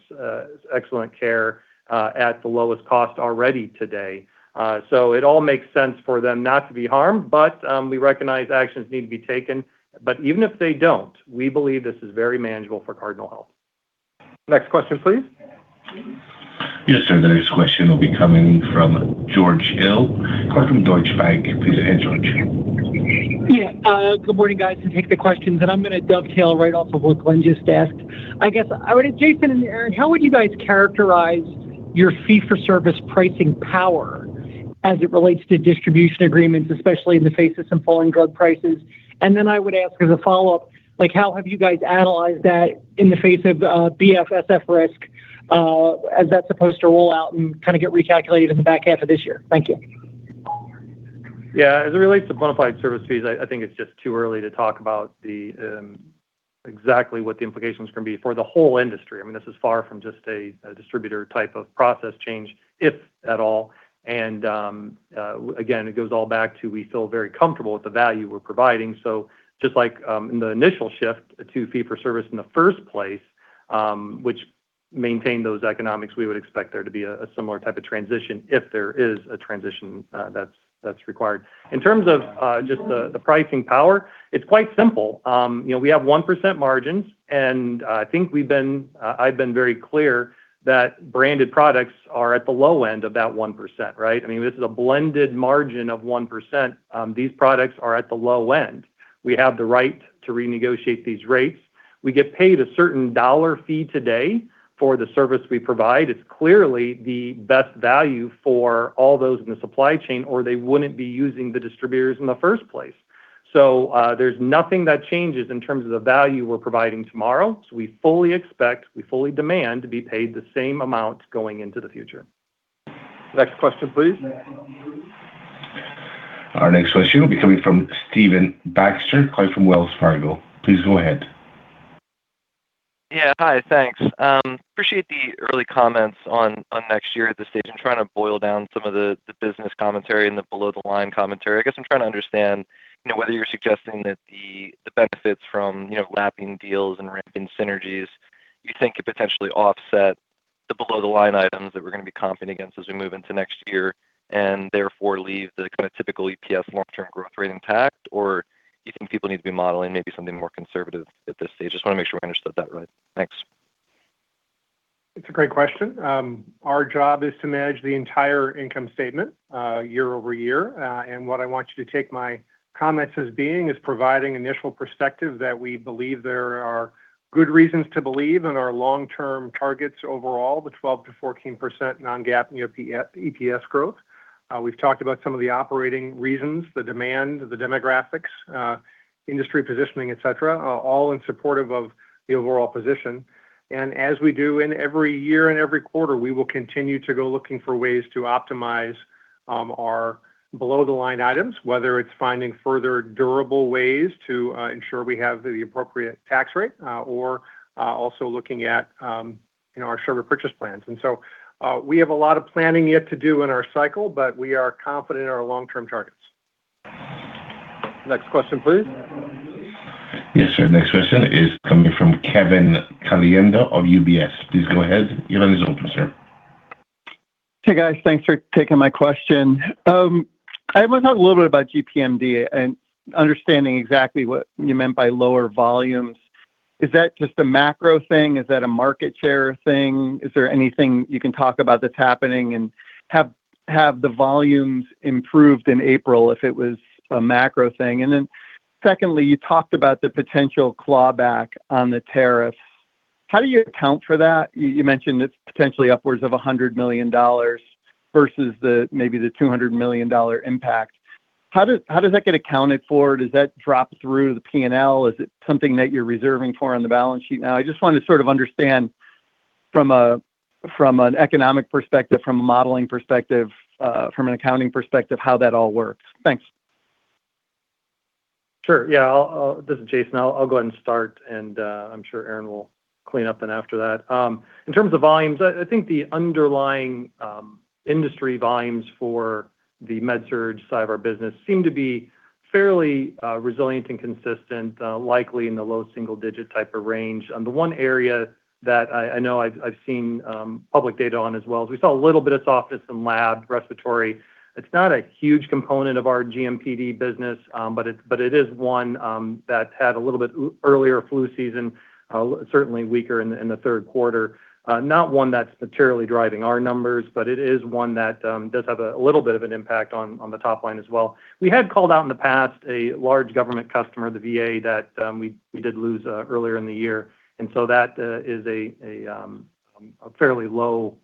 Speaker 3: excellent care at the lowest cost already today. It all makes sense for them not to be harmed, but we recognize actions need to be taken. Even if they don't, we believe this is very manageable for Cardinal Health. Next question please.
Speaker 1: Yes sir. The next question will be coming from George Hill from Deutsche Bank. Please go ahead, George.
Speaker 11: Good morning guys. To take the questions, I'm gonna dovetail right off of what Glen just asked. I guess I would Jason and Aaron, how would you guys characterize your fee for service pricing power as it relates to distribution agreements, especially in the face of some falling drug prices? Then I would ask as a follow-up, like how have you guys analyzed that in the face of BRFSS risk, as that's supposed to roll out and kind of get recalculated in the back half of this year? Thank you.
Speaker 3: As it relates to Bona fide service fees, I think it's just too early to talk about exactly what the implications are gonna be for the whole industry. I mean, this is far from just a distributor type of process change, if at all. Again, it goes all back to we feel very comfortable with the value we're providing. Just like in the initial shift to fee for service in the first place, which maintained those economics, we would expect there to be a similar type of transition if there is a transition that's required. In terms of just the pricing power, it's quite simple. you know, we have 1% margins, and I think we've been, I've been very clear that branded products are at the low end of that 1%, right? I mean, this is a blended margin of 1%. These products are at the low end. We have the right to renegotiate these rates. We get paid a certain dollar fee today for the service we provide. It's clearly the best value for all those in the supply chain, or they wouldn't be using the distributors in the first place. There's nothing that changes in terms of the value we're providing tomorrow, so we fully expect, we fully demand to be paid the same amount going into the future. Next question, please.
Speaker 1: Our next question will be coming from Stephen Baxter, call from Wells Fargo. Please go ahead.
Speaker 12: Hi, thanks. Appreciate the early comments on next year at this stage. I'm trying to boil down some of the business commentary and the below the line commentary. I guess I'm trying to understand, you know, whether you're suggesting that the benefits from, you know, lapping deals and ramping synergies you think could potentially offset the below the line items that we're gonna be comping against as we move into next year, and therefore leave the kind of typical EPS long-term growth rate intact, or you think people need to be modeling maybe something more conservative at this stage? Just wanna make sure I understood that right. Thanks.
Speaker 4: It's a great question. Our job is to manage the entire income statement, year-over-year. What I want you to take my comments as being is providing initial perspective that we believe there are good reasons to believe in our long-term targets overall, the 12%-14% non-GAAP, you know, EPS growth. We've talked about some of the operating reasons, the demand, the demographics, industry positioning, et cetera, all in supportive of the overall position. As we do in every year and every quarter, we will continue to go looking for ways to optimize our below the line items, whether it's finding further durable ways to ensure we have the appropriate tax rate, or also looking at, you know, our server purchase plans. We have a lot of planning yet to do in our cycle, but we are confident in our long-term targets. Next question please.
Speaker 1: Yes sir. Next question is coming from Kevin Caliendo of UBS. Please go ahead. Your line is open, sir.
Speaker 13: Hey guys, thanks for taking my question. I want to talk a little bit about GDPMD and understanding exactly what you meant by lower volumes. Is that just a macro thing? Is that a market share thing? Is there anything you can talk about that's happening? Have the volumes improved in April if it was a macro thing? Secondly, you talked about the potential clawback on the tariffs. How do you account for that? You mentioned it's potentially upwards of $100 million versus the, maybe the $200 million impact. How does that get accounted for? Does that drop through to the P&L? Is it something that you're reserving for on the balance sheet now? I just wanted to sort of understand from an economic perspective, from a modeling perspective, from an accounting perspective how that all works. Thanks.
Speaker 3: Sure. Yeah. This is Jason. I'll go ahead and start and I'm sure Aaron will clean up then after that. In terms of volumes, I think the underlying industry volumes for the med surg side of our business seem to be fairly resilient and consistent, likely in the low single-digit type of range. The one area that I know I've seen public data on as well, is we saw a little bit of softness in lab respiratory. It's not a huge component of our GDPMD business, but it is one that had a little bit earlier flu season, certainly weaker in the third quarter. Not one that's materially driving our numbers, but it is one that does have a little bit of an impact on the top line as well. We had called out in the past a large government customer, the VA, that we did lose earlier in the year, and so that is a fairly low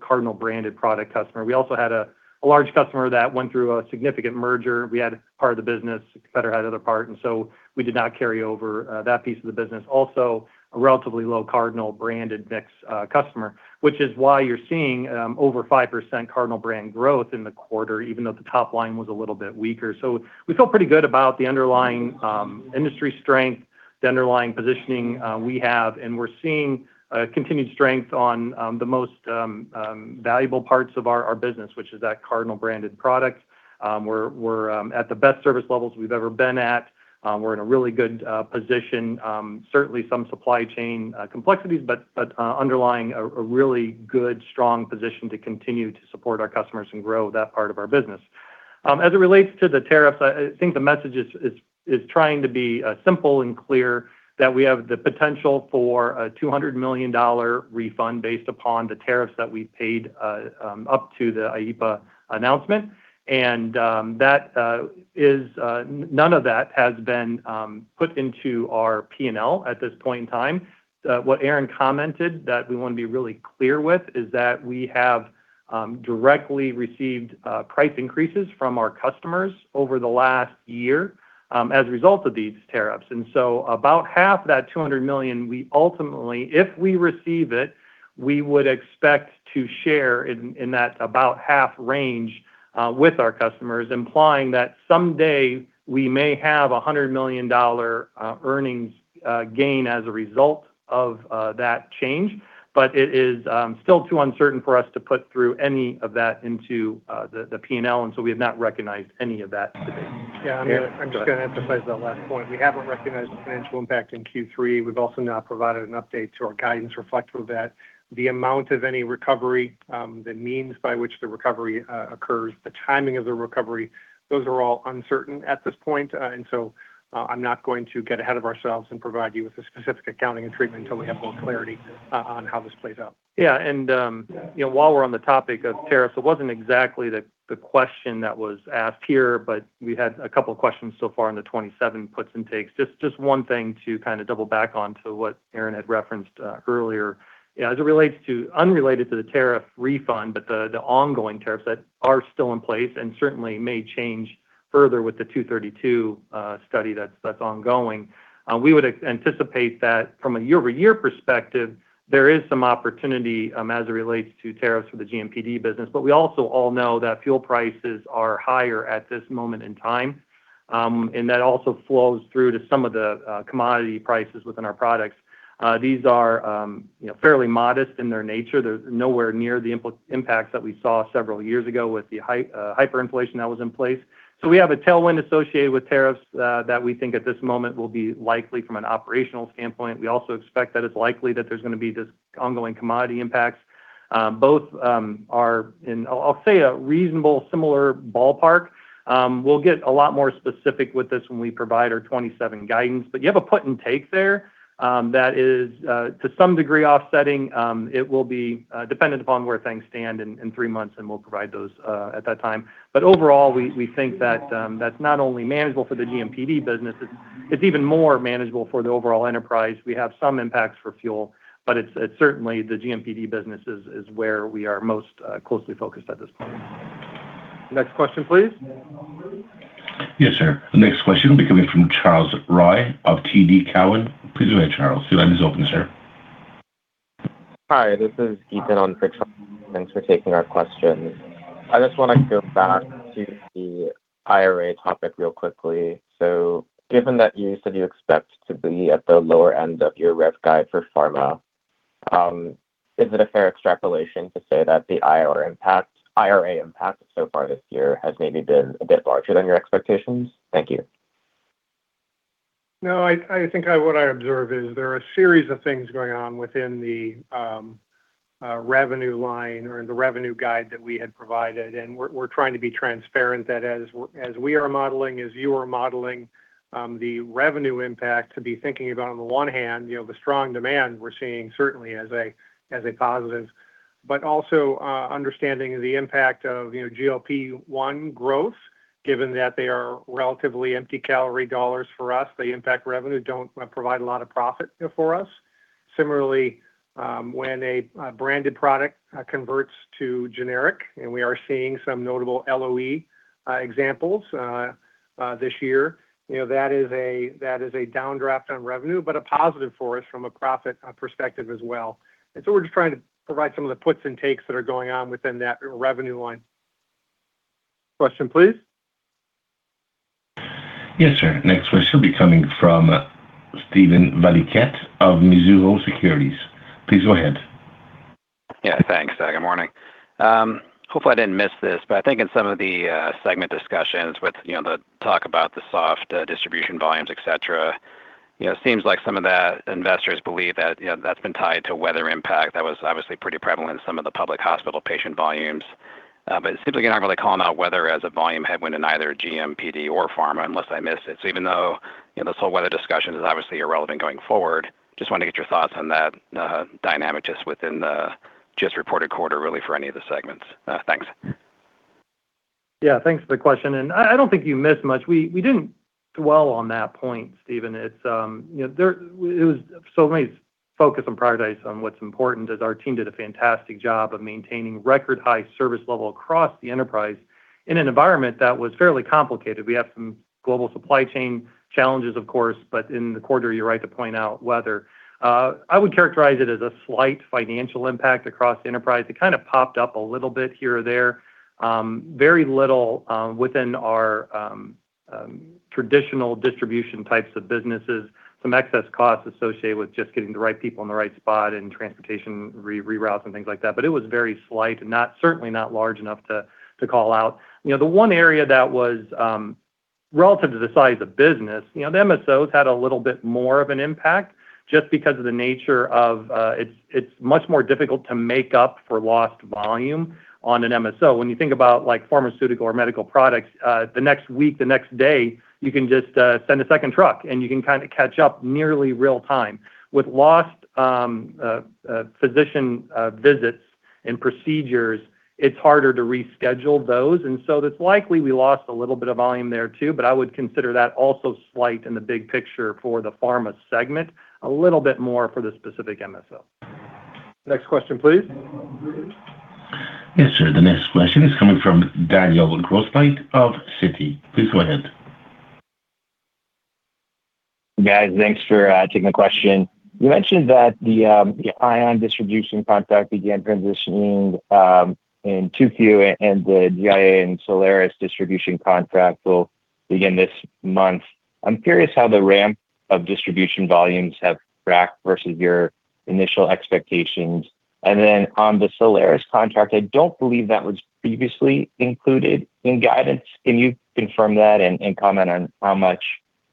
Speaker 3: Cardinal branded product customer. We also had a large customer that went through a significant merger. We had part of the business, competitor had other part, and so we did not carry over that piece of the business. Also, a relatively low Cardinal branded mix customer, which is why you're seeing over 5% Cardinal brand growth in the quarter, even though the top line was a little bit weaker. We feel pretty good about the underlying industry strength, the underlying positioning we have, and we're seeing continued strength on the most valuable parts of our business, which is that Cardinal brand product. We're at the best service levels we've ever been at. We're in a really good position. Certainly some supply chain complexities, but underlying a really good, strong position to continue to support our customers and grow that part of our business. As it relates to the tariffs, I think the message is trying to be simple and clear that we have the potential for a $200 million refund based upon the tariffs that we paid up to the IEEPA announcement. None of that has been put into our P&L at this point in time. What Aaron commented that we want to be really clear with is that we have directly received price increases from our customers over the last year as a result of these tariffs. About half that $200 million, we ultimately, if we receive it, we would expect to share in that about half range with our customers, implying that someday we may have a $100 million earnings gain as a result of that change. It is still too uncertain for us to put through any of that into the P&L, we have not recognized any of that today.
Speaker 4: Yeah, I'm just gonna emphasize that last point. We haven't recognized the financial impact in Q3. We've also not provided an update to our guidance reflective of that. The amount of any recovery, the means by which the recovery occurs, the timing of the recovery, those are all uncertain at this point. I'm not going to get ahead of ourselves and provide you with a specific accounting and treatment till we have more clarity on how this plays out.
Speaker 3: Yeah. You know, while we're on the topic of tariffs, it wasn't exactly the question that was asked here, but we had a couple of questions so far in the 27 puts and takes. Just one thing to kinda double back on to what Aaron had referenced earlier. You know, unrelated to the tariff refund, but the ongoing tariffs that are still in place and certainly may change further with the Section 232 study that's ongoing. We would anticipate that from a year-over-year perspective, there is some opportunity as it relates to tariffs for the GDPMD business. We also all know that fuel prices are higher at this moment in time, and that also flows through to some of the commodity prices within our products. These are fairly modest in their nature. They're nowhere near the impact that we saw several years ago with the hyperinflation that was in place. We have a tailwind associated with tariffs that we think at this moment will be likely from an operational standpoint. We also expect that it's likely that there's gonna be this ongoing commodity impacts. Both are in, I'll say a reasonable similar ballpark. We'll get a lot more specific with this when we provide our 2027 guidance. You have a put and take there that is to some degree offsetting. It will be dependent upon where things stand in three months, and we'll provide those at that time. Overall, we think that's not only manageable for the GMPD business, it's even more manageable for the overall enterprise. We have some impacts for fuel, but it's certainly the GMPD business is where we are most closely focused at this point. Next question, please.
Speaker 1: Yes, sir. The next question will be coming from Charles Rhyee of TD Cowen. Please go ahead, Charles. Your line is open, sir.
Speaker 14: Hi, this is Ethan on. Thanks for taking our questions. I just wanna go back to the IRA topic real quickly. Given that you said you expect to be at the lower end of your rev guide for pharma, is it a fair extrapolation to say that the IRA impact so far this year has maybe been a bit larger than your expectations? Thank you.
Speaker 4: No, I think what I observe is there are a series of things going on within the revenue line or the revenue guide that we had provided, and we're trying to be transparent that as we are modeling, as you are modeling, the revenue impact to be thinking about on the one hand, you know, the strong demand we're seeing certainly as a positive, but also understanding the impact of, you know, GLP-1 growth, given that they are relatively empty calorie dollars for us. They impact revenue, don't provide a lot of profit for us. Similarly, when a branded product converts to generic, and we are seeing some notable LOE examples this year. You know, that is a, that is a downdraft on revenue, but a positive for us from a profit perspective as well. We're just trying to provide some of the puts and takes that are going on within that revenue line. Question, please.
Speaker 1: Yes, sir. Next question will be coming from Steven Valiquette of Mizuho Securities. Please go ahead.
Speaker 15: Yeah, thanks. Good morning. Hopefully I didn't miss this, but I think in some of the segment discussions with, you know, the talk about the soft distribution volumes, et cetera. You know, it seems like some of the investors believe that, you know, that's been tied to weather impact. That was obviously pretty prevalent in some of the public hospital patient volumes. It seems like you're not really calling out weather as a volume headwind in either GDPMD or pharma unless I missed it. Even though, you know, this whole weather discussion is obviously irrelevant going forward, just want to get your thoughts on that dynamic just within the just reported quarter really for any of the segments. Thanks.
Speaker 3: Yeah, thanks for the question, I don't think you missed much. We didn't dwell on that point, Stephen. It's, you know, let me focus and prioritize on what's important, as our team did a fantastic job of maintaining record high service level across the enterprise in an environment that was fairly complicated. We have some global supply chain challenges, of course, in the quarter, you're right to point out weather. I would characterize it as a slight financial impact across the enterprise. It kind of popped up a little bit here or there. Very little, within our, traditional distribution types of businesses. Some excess costs associated with just getting the right people in the right spot and transportation re-reroutes and things like that. It was very slight and not, certainly not large enough to call out. You know, the one area that was, relative to the size of business, you know, the MSOs had a little bit more of an impact just because of the nature of, it's much more difficult to make up for lost volume on an MSO. When you think about like pharmaceutical or medical products, the next week, the next day, you can just send a second truck, and you can kinda catch up nearly real time. With lost physician visits and procedures, it's harder to reschedule those. It's likely we lost a little bit of volume there too, but I would consider that also slight in the big picture for the Pharma segment. A little bit more for the specific MSO. Next question, please.
Speaker 1: Yes, sir. The next question is coming from Daniel Grosslight of Citi. Please go ahead.
Speaker 16: Guys, thanks for taking the question. You mentioned that the ION distribution contract began transitioning in 2Q, and the GI Alliance and Solaris Health distribution contract will begin this month. I'm curious how the ramp of distribution volumes have tracked versus your initial expectations. On the Solaris Health contract, I don't believe that was previously included in guidance. Can you confirm that and comment on how much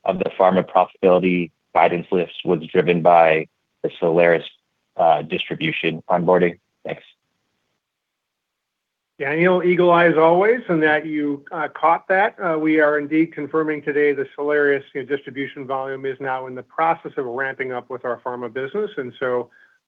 Speaker 16: of the pharma profitability guidance lift was driven by the Solaris Health distribution onboarding? Thanks.
Speaker 3: Daniel, eagle eyes as always in that you caught that. We are indeed confirming today the Solaris distribution volume is now in the process of ramping up with our pharma business.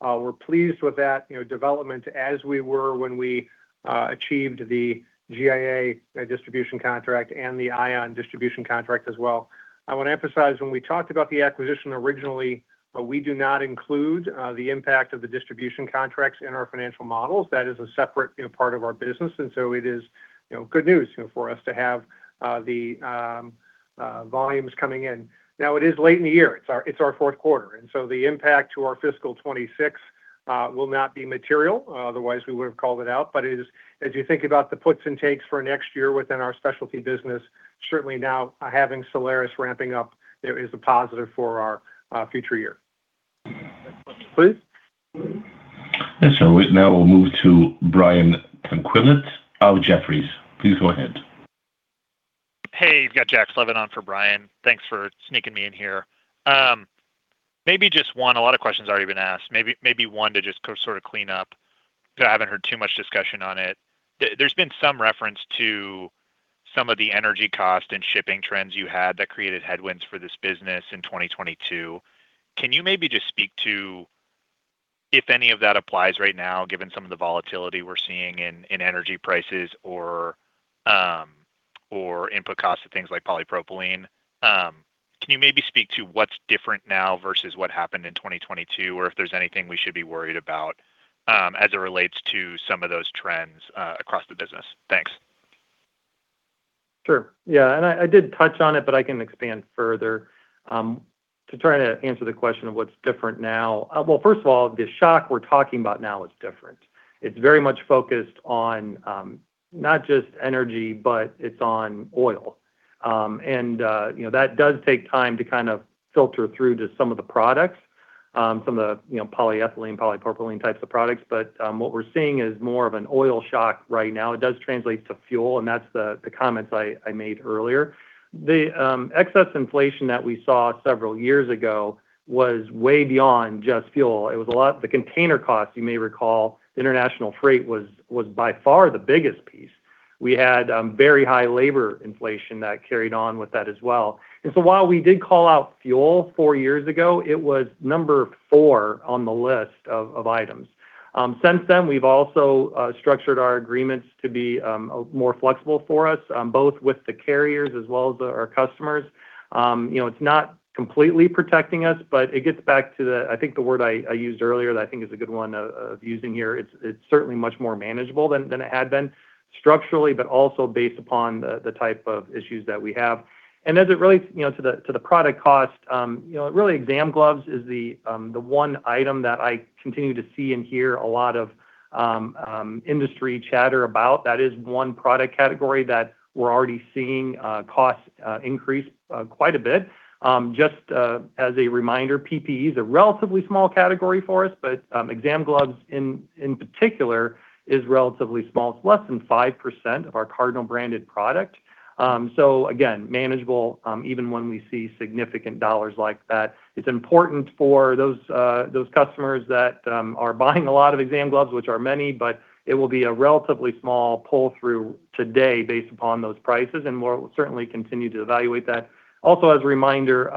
Speaker 3: We're pleased with that, you know, development as we were when we achieved the GIA distribution contract and the Ion distribution contract as well. I want to emphasize, when we talked about the acquisition originally, we do not include the impact of the distribution contracts in our financial models. That is a separate, you know, part of our business. It is, you know, good news, you know, for us to have the volumes coming in. Now, it is late in the year. It's our, it's our fourth quarter, and so the impact to our fiscal 2026 will not be material. Otherwise, we would have called it out. It is, as you think about the puts and takes for next year within our specialty business, certainly now having Solaris ramping up, it is a positive for our future year. Next question, please.
Speaker 1: Yes, sir. We now will move to Brian Tanquilut of Jefferies. Please go ahead.
Speaker 17: Hey, you've got Jack Slevin on for Brian. Thanks for sneaking me in here. Maybe just one. A lot of questions already been asked. Maybe one to just go sort of clean up, but I haven't heard too much discussion on it. There's been some reference to some of the energy cost and shipping trends you had that created headwinds for this business in 2022. Can you maybe just speak to if any of that applies right now, given some of the volatility we're seeing in energy prices or input costs to things like polypropylene? Can you maybe speak to what's different now versus what happened in 2022, or if there's anything we should be worried about as it relates to some of those trends across the business? Thanks.
Speaker 3: Sure. Yeah. I did touch on it, but I can expand further. To try to answer the question of what's different now. Well, first of all, the shock we're talking about now is different. It's very much focused on not just energy, but it's on oil. You know, that does take time to kind of filter through to some of the products, some of the, you know, polyethylene, polypropylene types of products. What we're seeing is more of an oil shock right now. It does translate to fuel, that's the comments I made earlier. The excess inflation that we saw several years ago was way beyond just fuel. The container cost, you may recall, international freight was by far the biggest piece. We had very high labor inflation that carried on with that as well. While we did call out fuel 4 years ago, it was number 4 on the list of items. Since then, we've also structured our agreements to be more flexible for us, both with the carriers as well as our customers. You know, it's not completely protecting us, but it gets back to the, I think the word I used earlier that I think is a good one of using here. It's certainly much more manageable than it had been structurally, but also based upon the type of issues that we have. As it relates, to the product cost, really exam gloves is the one item that I continue to see and hear a lot of industry chatter about. That is one product category that we're already seeing cost increase quite a bit. Just as a reminder, PPE is a relatively small category for us, but exam gloves in particular is relatively small. It's less than 5% of our Cardinal brand product. So again, manageable, even when we see significant dollars like that. It's important for those customers that are buying a lot of exam gloves, which are many, but it will be a relatively small pull through today based upon those prices, and we'll certainly continue to evaluate that. As a reminder,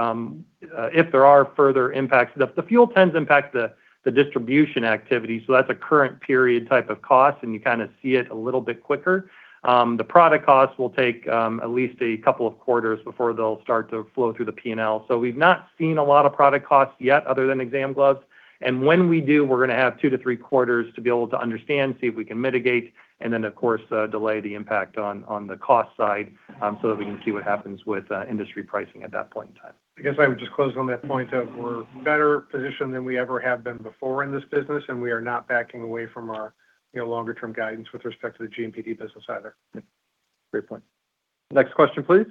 Speaker 3: if there are further impacts, the fuel tends impact the distribution activity, so that's a current period type of cost, and you kind of see it a little bit quicker. The product costs will take at least a couple of quarters before they'll start to flow through the P&L. We've not seen a lot of product costs yet other than exam gloves, and when we do, we're gonna have 2 to 3 quarters to be able to understand, see if we can mitigate, and then of course, delay the impact on the cost side, so that we can see what happens with industry pricing at that point in time.
Speaker 4: I guess I would just close on that point of we're better positioned than we ever have been before in this business, and we are not backing away from our, you know, longer term guidance with respect to the GDPMD business either.
Speaker 3: Great point. Next question, please.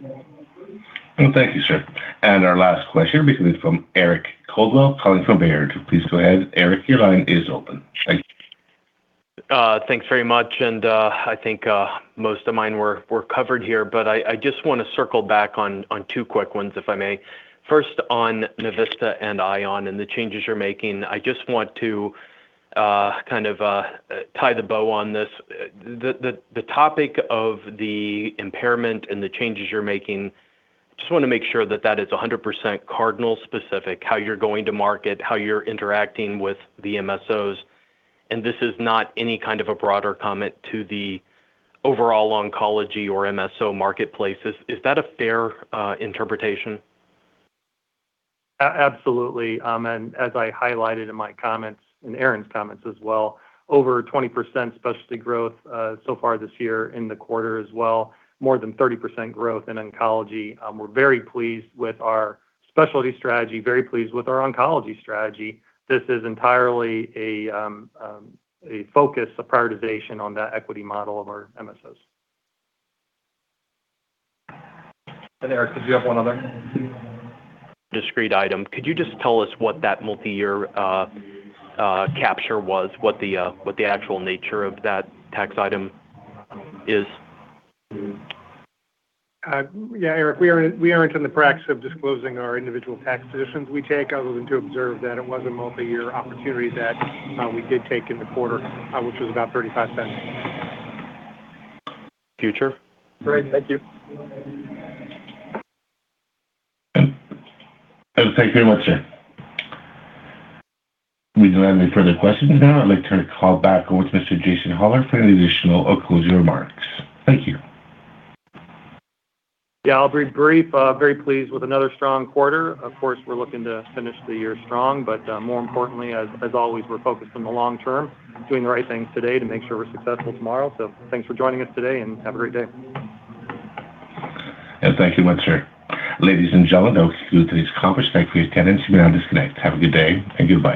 Speaker 1: Thank you, sir. Our last question begins from Eric Coldwell calling from Baird. Please go ahead. Eric, your line is open. Thank you.
Speaker 18: thanks very much, and I think most of mine were covered here, but I just wanna circle back on two quick ones, if I may. First, on Navista and ION and the changes you're making, I just want to kind of tie the bow on this. The topic of the impairment and the changes you're making, just wanna make sure that that is 100% Cardinal specific, how you're going to market, how you're interacting with the MSOs, and this is not any kind of a broader comment to the overall oncology or MSO marketplace. Is that a fair interpretation?
Speaker 3: Absolutely. As I highlighted in my comments, in Aaron Alt's comments as well, over 20% specialty growth so far this year in the quarter as well, more than 30% growth in oncology. We're very pleased with our specialty strategy, very pleased with our oncology strategy. This is entirely a focus, a prioritization on that equity model of our MSOs.
Speaker 4: Eric, did you have one other?
Speaker 18: Discrete item. Could you just tell us what that multi-year capture was? What the actual nature of that tax item is?
Speaker 4: Yeah, Eric, we aren't in the practice of disclosing our individual tax positions we take, other than to observe that it was a multi-year opportunity that we did take in the quarter, which was about $0.35.
Speaker 18: Future?
Speaker 4: Great. Thank you.
Speaker 1: Thank you very much, sir. We don't have any further questions now. I'd like to call back on Mr. Jason Hollar for any additional or closing remarks. Thank you.
Speaker 3: Yeah, I'll be brief. Very pleased with another strong quarter. Of course, we're looking to finish the year strong, but more importantly, as always, we're focused on the long term, doing the right things today to make sure we're successful tomorrow. Thanks for joining us today, and have a great day.
Speaker 1: Yes, thank you much, sir. Ladies and gentlemen, that was today's conference. Thank you for your attendance. You may now disconnect. Have a good day and goodbye.